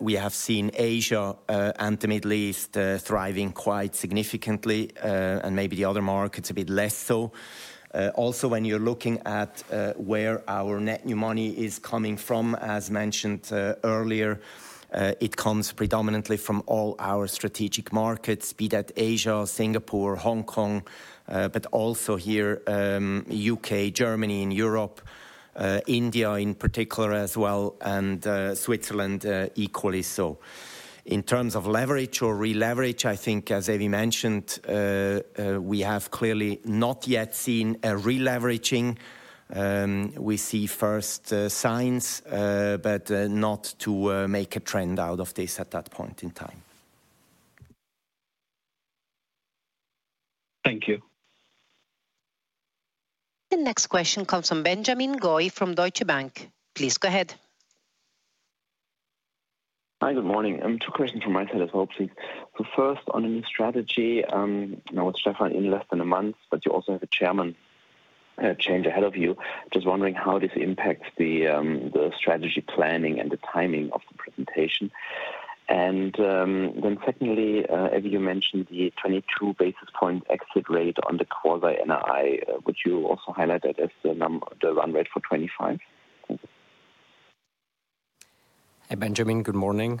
Speaker 3: we have seen Asia and the Middle East thriving quite significantly and maybe the other markets a bit less so. Also, when you're looking at where our net new money is coming from, as mentioned earlier, it comes predominantly from all our strategic markets, be that Asia, Singapore, Hong Kong, but also here, U.K., Germany and Europe, India in particular as well, and Switzerland equally so. In terms of leverage or re-leverage, I think, as Evie mentioned, we have clearly not yet seen a re-leveraging. We see first signs, but not to make a trend out of this at that point in time.
Speaker 9: Thank you.
Speaker 1: The next question comes from Benjamin Goy from Deutsche Bank. Please go ahead.
Speaker 10: Hi, good morning. Two questions from my side as well, please. So first, on the new strategy, I know with Stefan in less than a month, but you also have a chairman change ahead of you. Just wondering how this impacts the strategy planning and the timing of the presentation. And then secondly, Evie, you mentioned the 22 basis point exit rate on the quasi-NII. Would you also highlight that as the run rate for 2025?
Speaker 3: Hey, Benjamin, good morning.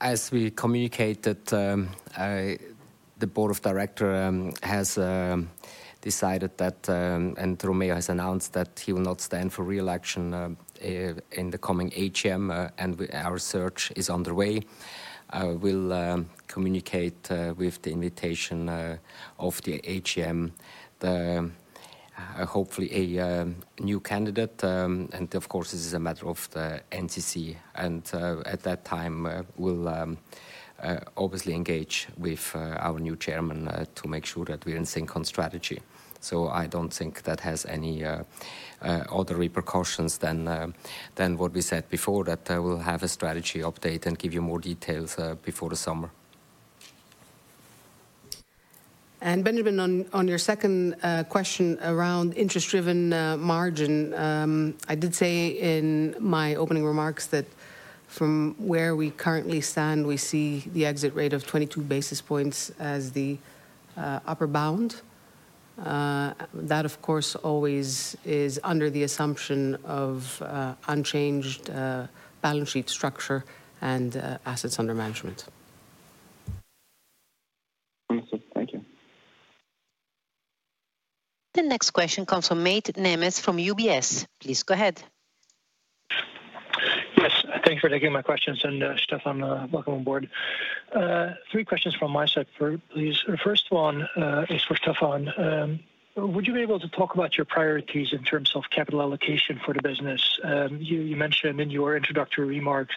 Speaker 3: As we communicated, the Board of Directors has decided that, and Romeo has announced that he will not stand for re-election in the coming AGM, and our search is underway. We'll communicate with the invitation of the AGM, hopefully a new candidate. And of course, this is a matter of the NCC. And at that time, we'll obviously engage with our new chairman to make sure that we're in sync on strategy. So I don't think that has any other repercussions than what we said before, that we'll have a strategy update and give you more details before the summer.
Speaker 5: And Benjamin, on your second question around interest-driven margin, I did say in my opening remarks that from where we currently stand, we see the exit rate of 22 basis points as the upper bound. That, of course, always is under the assumption of unchanged balance sheet structure and assets under management.
Speaker 1: The next question comes from Mate Nemes from UBS. Please go ahead.
Speaker 11: Yes, thank you for taking my questions. And Stefan, welcome on board. Three questions from my side, please. First one is for Stefan. Would you be able to talk about your priorities in terms of capital allocation for the business? You mentioned in your introductory remarks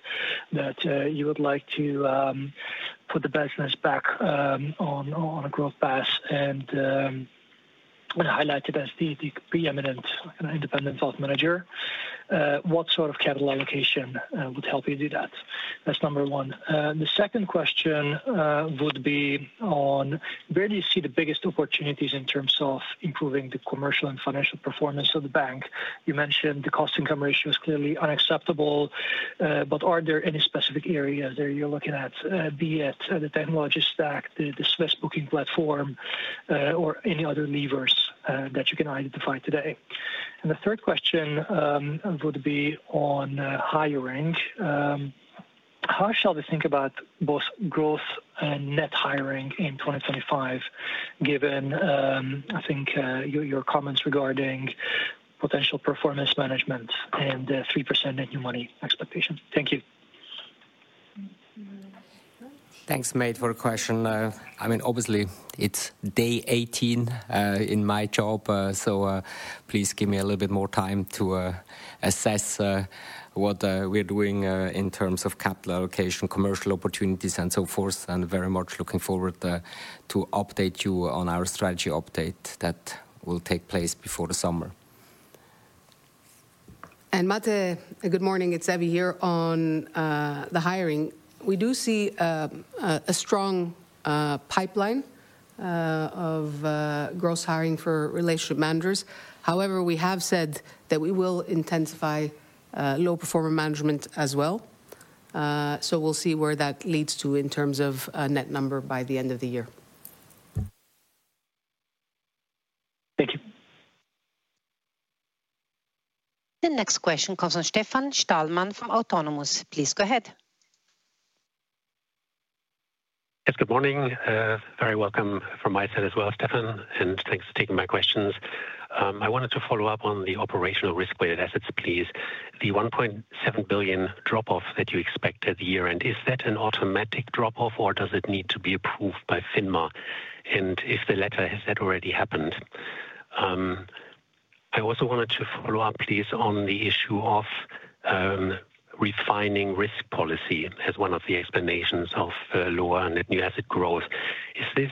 Speaker 11: that you would like to put the business back on a growth path and highlighted as the preeminent independent wealth manager. What sort of capital allocation would help you do that? That's number one. The second question would be on where do you see the biggest opportunities in terms of improving the commercial and financial performance of the bank? You mentioned the cost-income ratio is clearly unacceptable, but are there any specific areas that you're looking at, be it the technology stack, the Swiss booking platform, or any other levers that you can identify today? And the third question would be on hiring. How shall we think about both growth and net hiring in 2025, given, I think, your comments regarding potential performance management and 3% net new money expectations? Thank you.
Speaker 3: Thanks, Mate, for the question. I mean, obviously, it's day 18 in my job, so please give me a little bit more time to assess what we're doing in terms of capital allocation, commercial opportunities, and so forth. Very much looking forward to update you on our strategy update that will take place before the summer.
Speaker 5: Mate, good morning. It's Evie here on the hiring. We do see a strong pipeline of gross hiring for relationship managers. However, we have said that we will intensify low-performer management as well. So we'll see where that leads to in terms of net number by the end of the year.
Speaker 11: Thank you.
Speaker 1: The next question comes from Stefan Stalmann from Autonomous. Please go ahead.
Speaker 12: Yes, good morning. Very welcome from my side as well, Stefan, and thanks for taking my questions. I wanted to follow up on the operational risk-weighted assets, please. The 1.7 billion drop-off that you expect at the year, and is that an automatic drop-off or does it need to be approved by FINMA? And if the latter has already happened. I also wanted to follow-up, please, on the issue of refining risk policy as one of the explanations of lower net new asset growth. Is this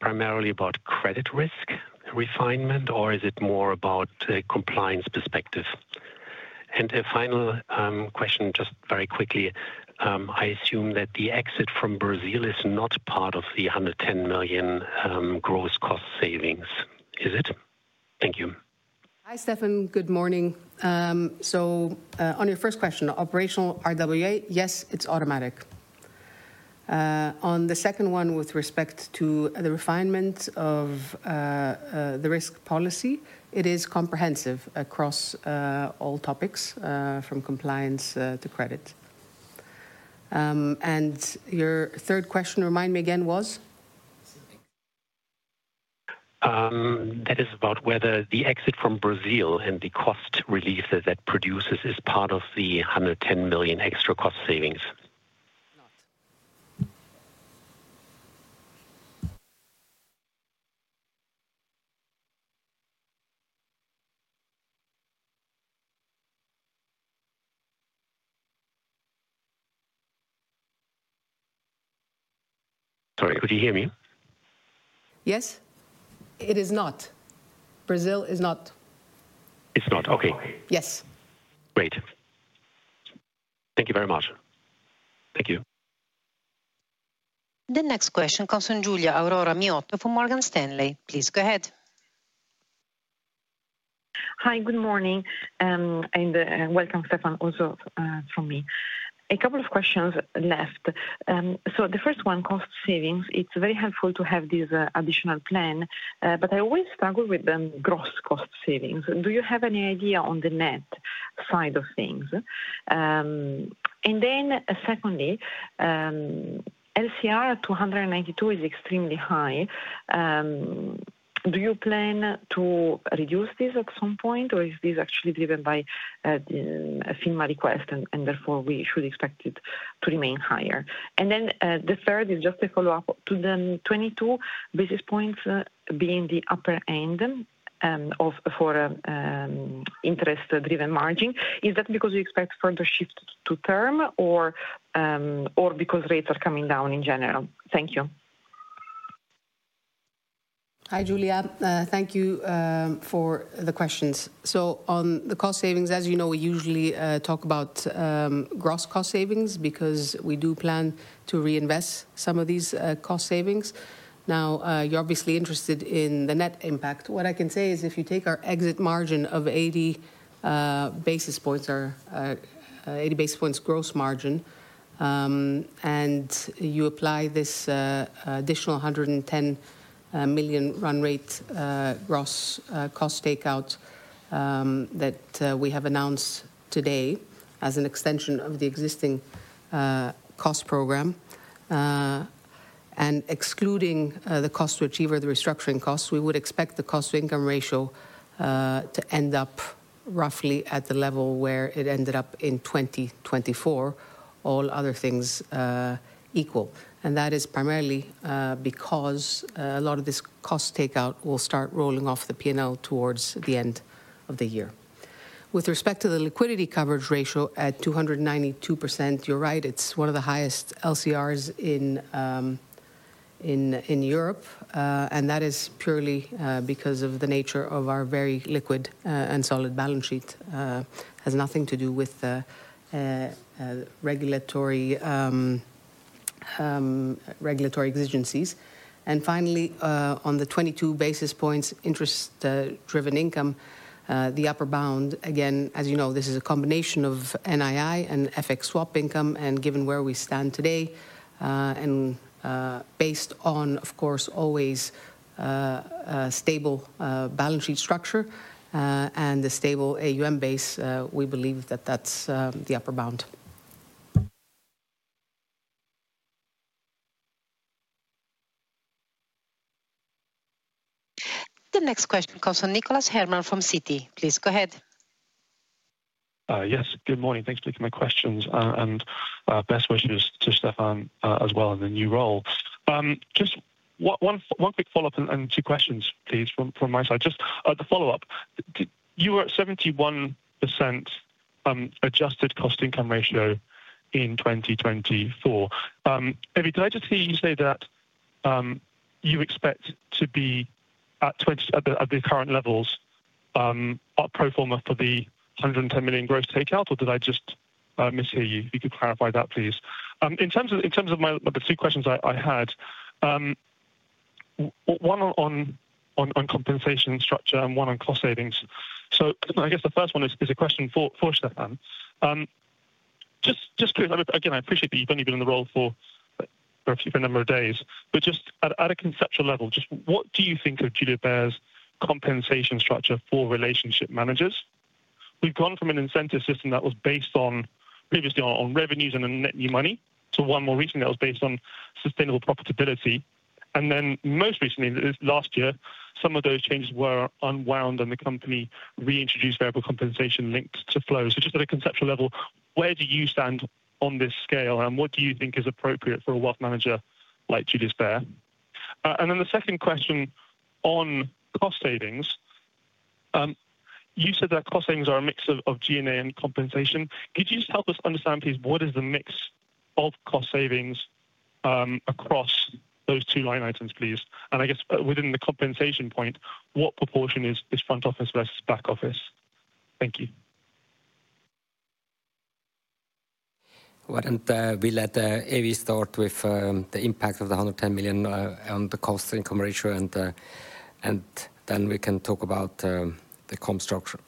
Speaker 12: primarily about credit risk refinement or is it more about a compliance perspective? And a final question, just very quickly. I assume that the exit from Brazil is not part of the 110 million gross cost savings. Is it? Thank you.
Speaker 5: Hi, Stefan. Good morning. So on your first question, operational RWA, yes, it's automatic. On the second one with respect to the refinement of the risk policy, it is comprehensive across all topics from compliance to credit. And your third question, remind me again, was?
Speaker 12: That is about whether the exit from Brazil and the cost relief that that produces is part of the 110 million extra cost savings. Sorry, could you hear me?
Speaker 5: Yes, it is not. Brazil is not.
Speaker 12: It's not, okay.
Speaker 5: Yes.
Speaker 12: Great. Thank you very much. Thank you.
Speaker 1: The next question comes from Giulia Aurora Miotto from Morgan Stanley. Please go ahead.
Speaker 13: Hi, good morning. And welcome, Stefan, also from me. A couple of questions left. So the first one, cost savings, it's very helpful to have this additional plan, but I always struggle with the gross cost savings. Do you have any idea on the net side of things? And then secondly, LCR 292 is extremely high. Do you plan to reduce this at some point or is this actually driven by FINMA request and therefore we should expect it to remain higher? And then the third is just a follow-up to the 22 basis points being the upper end for interest-driven margin. Is that because you expect further shift to term or because rates are coming down in general? Thank you.
Speaker 5: Hi, Giulia. Thank you for the questions. So on the cost savings, as you know, we usually talk about gross cost savings because we do plan to reinvest some of these cost savings. Now, you're obviously interested in the net impact. What I can say is if you take our exit margin of 80 basis points or 80 basis points gross margin and you apply this additional 110 million run rate gross cost takeout that we have announced today as an extension of the existing cost program, and excluding the cost to achieve or the restructuring costs, we would expect the cost to income ratio to end up roughly at the level where it ended up in 2024, all other things equal. And that is primarily because a lot of this cost takeout will start rolling off the P&L towards the end of the year. With respect to the liquidity coverage ratio at 292%, you're right, it's one of the highest LCRs in Europe. And that is purely because of the nature of our very liquid and solid balance sheet. It has nothing to do with regulatory exigencies. And finally, on the 22 basis points interest-driven income, the upper bound, again, as you know, this is a combination of NII and FX swap income. And given where we stand today and based on, of course, always stable balance sheet structure and the stable AUM base, we believe that that's the upper bound.
Speaker 1: The next question comes from Nicholas Herman from Citi. Please go ahead.
Speaker 14: Yes, good morning. Thanks for taking my questions. And best wishes to Stefan as well in the new role. Just one quick follow-up and two questions, please, from my side. Just the follow-up. You were at 71% adjusted cost-income ratio in 2024. Evie, did I just hear you say that you expect to be at the current levels pro forma for the 110 million gross takeout, or did I just mishear you? If you could clarify that, please. In terms of the two questions I had, one on compensation structure and one on cost savings. I guess the first one is a question for Stefan. Just curious, again, I appreciate that you've only been in the role for a number of days, but just at a conceptual level, just what do you think of Julius Baer's compensation structure for relationship managers? We've gone from an incentive system that was based on previously on revenues and net new money to one more recently that was based on sustainable profitability. Then most recently, last year, some of those changes were unwound and the company reintroduced variable compensation linked to flows. So just at a conceptual level, where do you stand on this scale and what do you think is appropriate for a wealth manager like Julius Baer? And then the second question on cost savings. You said that cost savings are a mix of G&A and compensation. Could you just help us understand, please, what is the mix of cost savings across those two line items, please? And I guess within the compensation point, what proportion is front office versus back office? Thank you.
Speaker 3: Why don't we let Evie start with the impact of the 110 million on the cost-income ratio, and then we can talk about the comp structure.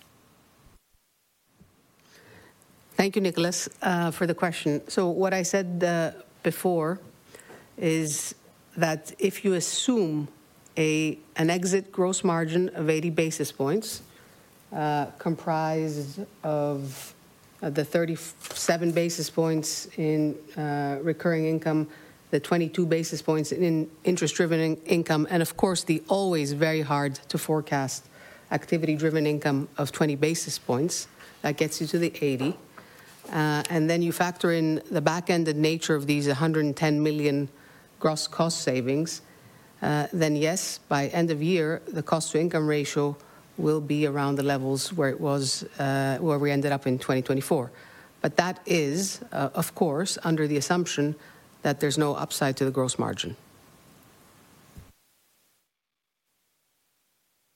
Speaker 5: Thank you, Nicholas, for the question. What I said before is that if you assume an exit gross margin of 80 basis points comprised of the 37 basis points in recurring income, the 22 basis points in interest-driven income, and of course, the always very hard to forecast activity-driven income of 20 basis points, that gets you to the 80. And then you factor in the back-ended nature of these 110 million gross cost savings, then yes, by end of year, the cost to income ratio will be around the levels where we ended up in 2024. But that is, of course, under the assumption that there's no upside to the gross margin.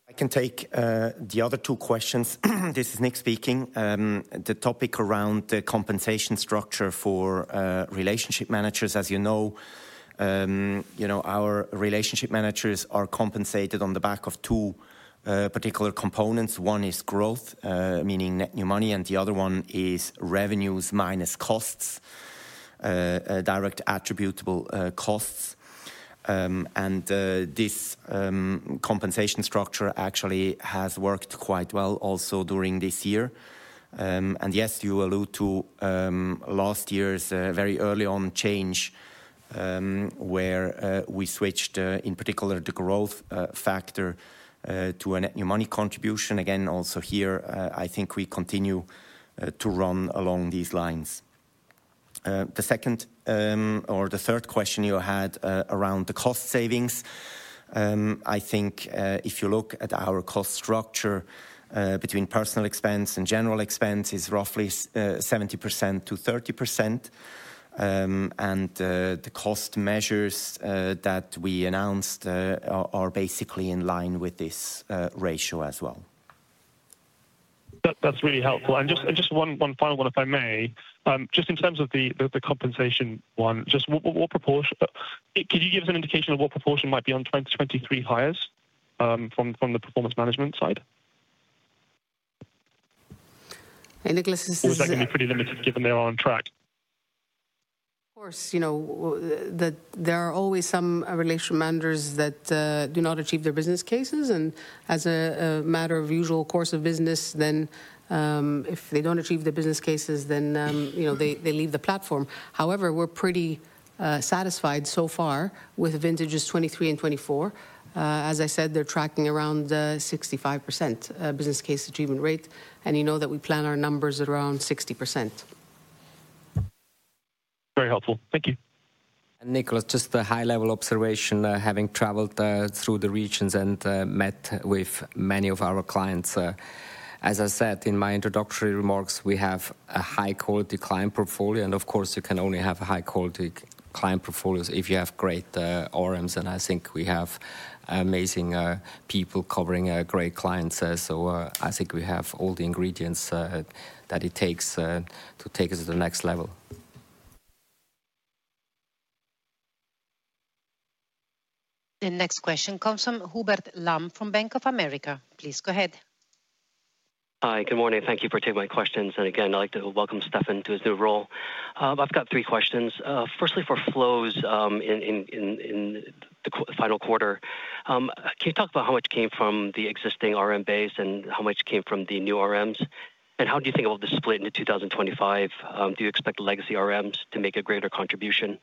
Speaker 4: I can take the other two questions. This is Nic speaking. The topic around the compensation structure for relationship managers, as you know, our relationship managers are compensated on the back of two particular components. One is growth, meaning net new money, and the other one is revenues minus costs, direct attributable costs. And this compensation structure actually has worked quite well also during this year. And yes, you allude to last year's very early on change where we switched, in particular, the growth factor to a net new money contribution. Again, also here, I think we continue to run along these lines. The second or the third question you had around the cost savings, I think if you look at our cost structure between personnel expense and general expense, it's roughly 70%-30%. And the cost measures that we announced are basically in line with this ratio as well.
Speaker 14: That's really helpful. And just one final one, if I may. Just in terms of the compensation one, just what proportion could you give us an indication of what proportion might be on 2023 hires from the performance management side? Or is that going to be pretty limited given they're on track?
Speaker 5: Of course, there are always some relationship managers that do not achieve their business cases. And as a matter of usual course of business, then if they don't achieve their business cases, then they leave the platform. However, we're pretty satisfied so far with vintages 2023 and 2024. As I said, they're tracking around 65% business case achievement rate. And you know that we plan our numbers at around 60%. Very helpful. Thank you.
Speaker 3: And Nicholas, just a high-level observation, having traveled through the regions and met with many of our clients. As I said in my introductory remarks, we have a high-quality client portfolio. And of course, you can only have high-quality client portfolios if you have great RMs. And I think we have amazing people covering great clients. So I think we have all the ingredients that it takes to take us to the next level.
Speaker 1: The next question comes from Hubert Lam from Bank of America. Please go ahead.
Speaker 15: Hi, good morning. Thank you for taking my questions. And again, I'd like to welcome Stefan to his new role. I've got three questions. Firstly, for flows in the final quarter, can you talk about how much came from the existing RM base and how much came from the new RMs? And how do you think about the split into 2025? Do you expect legacy RMs to make a greater contribution?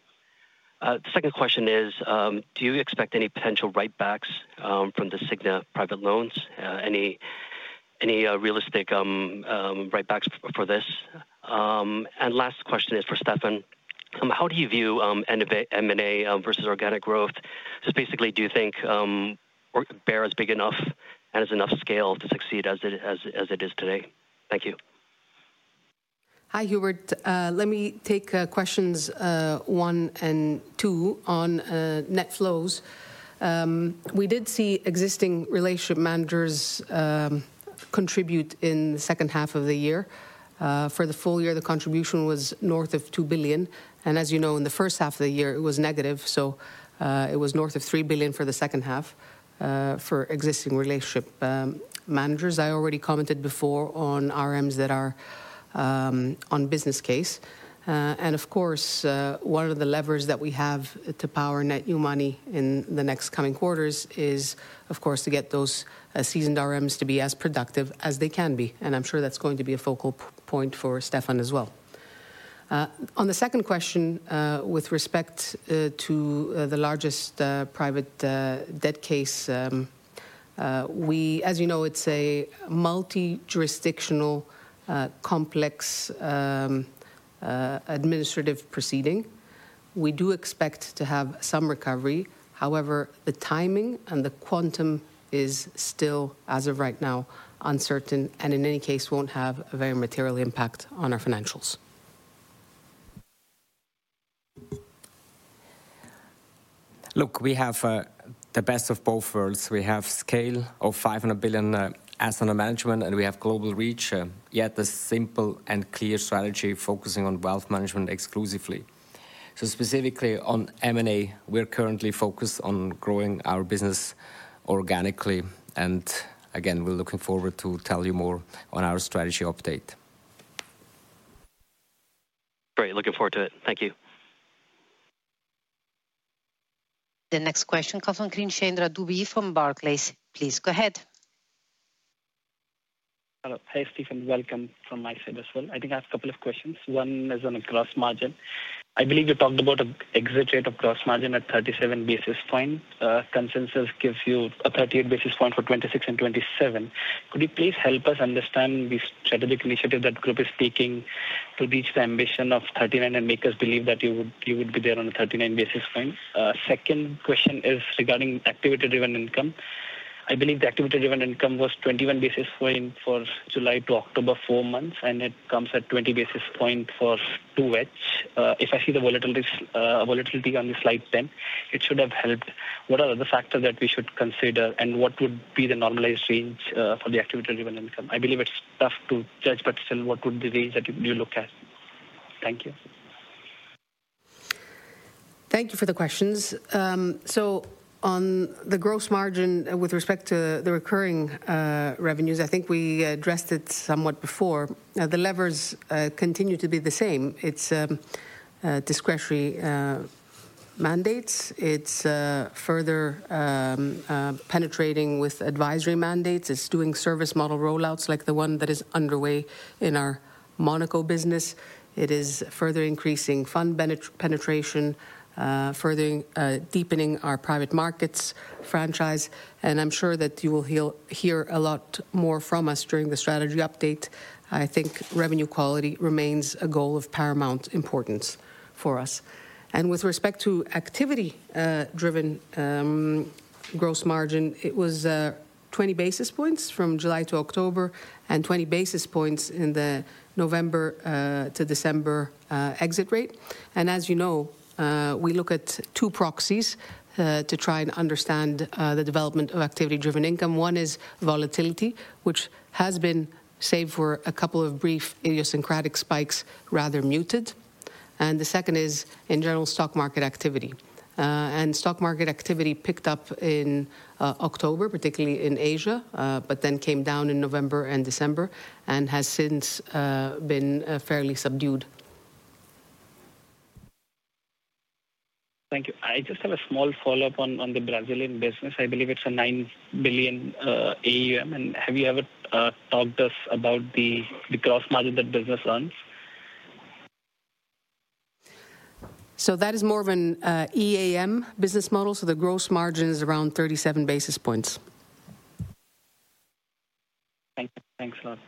Speaker 15: The second question is, do you expect any potential writebacks from the Signa private loans? Any realistic writebacks for this? Last question is for Stefan. How do you view M&A versus organic growth? Just basically, do you think Julius Baer is big enough and has enough scale to succeed as it is today? Thank you.
Speaker 5: Hi, Hubert. Let me take questions one and two on net flows. We did see existing relationship managers contribute in the second half of the year. For the full year, the contribution was north of 2 billion. And as you know, in the first half of the year, it was negative. So it was north of 3 billion for the second half for existing relationship managers. I already commented before on RMs that are on business case. And of course, one of the levers that we have to power net new money in the next coming quarters is, of course, to get those seasoned RMs to be as productive as they can be. And I'm sure that's going to be a focal point for Stefan as well. On the second question with respect to the largest private debt case, as you know, it's a multi-jurisdictional complex administrative proceeding. We do expect to have some recovery. However, the timing and the quantum is still, as of right now, uncertain and in any case won't have a very material impact on our financials.
Speaker 3: Look, we have the best of both worlds. We have scale of 500 billion assets under management, and we have global reach, yet a simple and clear strategy focusing on wealth management exclusively. So specifically on M&A, we're currently focused on growing our business organically. And again, we're looking forward to tell you more on our strategy update.
Speaker 15: Great. Looking forward to it. Thank you.
Speaker 1: The next question comes from Krishnendra Dubey from Barclays. Please go ahead.
Speaker 16: Hello, hi, Stefan. Welcome from my side as well. I think I have a couple of questions. One is on the gross margin. I believe you talked about an exit rate of gross margin at 37 basis points. Consensus gives you a 38 basis points for 2026 and 2027. Could you please help us understand the strategic initiative that the group is seeking to reach the ambition of 39 basis points and make us believe that you would be there on a 39 basis points? Second question is regarding activity-driven income. I believe the activity-driven income was 21 basis points for July to October, four months, and it comes at 20 basis points for 2H if I see the volatility on the slide 10. It should have helped. What are the factors that we should consider and what would be the normalized range for the activity-driven income? I believe it's tough to judge, but still, what would be the range that you look at? Thank you.
Speaker 5: Thank you for the questions. So on the gross margin with respect to the recurring revenues, I think we addressed it somewhat before. The levers continue to be the same. It's discretionary mandates. It's further penetrating with advisory mandates. It's doing service model rollouts like the one that is underway in our Monaco business. It is further increasing fund penetration, further deepening our private markets franchise. And I'm sure that you will hear a lot more from us during the strategy update. I think revenue quality remains a goal of paramount importance for us. And with respect to activity-driven gross margin, it was 20 basis points from July to October and 20 basis points in the November to December exit rate. And as you know, we look at two proxies to try and understand the development of activity-driven income. One is volatility, which has been save for a couple of brief idiosyncratic spikes, rather muted. And the second is, in general, stock market activity. And stock market activity picked up in October, particularly in Asia, but then came down in November and December and has since been fairly subdued.
Speaker 16: Thank you. I just have a small follow-up on the Brazilian business. I believe it's a 9 billion AUM. And have you ever talked to us about the gross margin that business earns?
Speaker 5: So that is more of an EAM business model. So the gross margin is around 37 basis points.
Speaker 16: Thank you. Thanks a lot.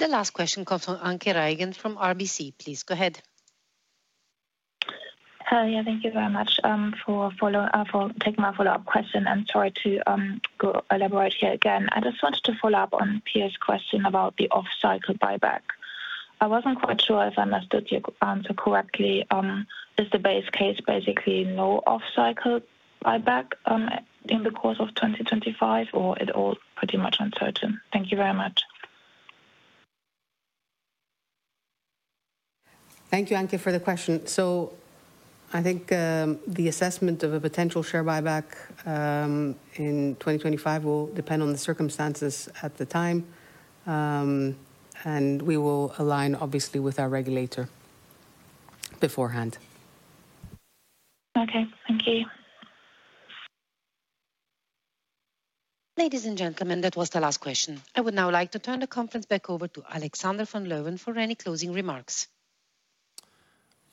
Speaker 1: The last question comes from Anke Reingen from RBC. Please go ahead.
Speaker 7: Hi, yeah, thank you very much for taking my follow-up question. Sorry to elaborate here again. I just wanted to follow up on Piers's question about the off-cycle buyback. I wasn't quite sure if I understood your answer correctly. Is the base case basically no off-cycle buyback in the course of 2025, or is it all pretty much uncertain? Thank you very much.
Speaker 5: Thank you, Anke, for the question. I think the assessment of a potential share buyback in 2025 will depend on the circumstances at the time. We will align, obviously, with our regulator beforehand.
Speaker 7: Okay, thank you.
Speaker 1: Ladies and gentlemen, that was the last question. I would now like to turn the conference back over to Alexander van Leeuwen for any closing remarks.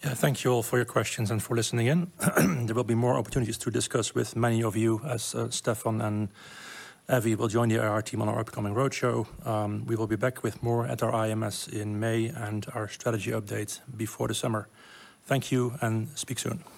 Speaker 2: Yeah, thank you all for your questions and for listening in. There will be more opportunities to discuss with many of you as Stefan and Evie will join the IR team on our upcoming roadshow. We will be back with more at our IMS in May and our strategy updates before the summer. Thank you and speak soon.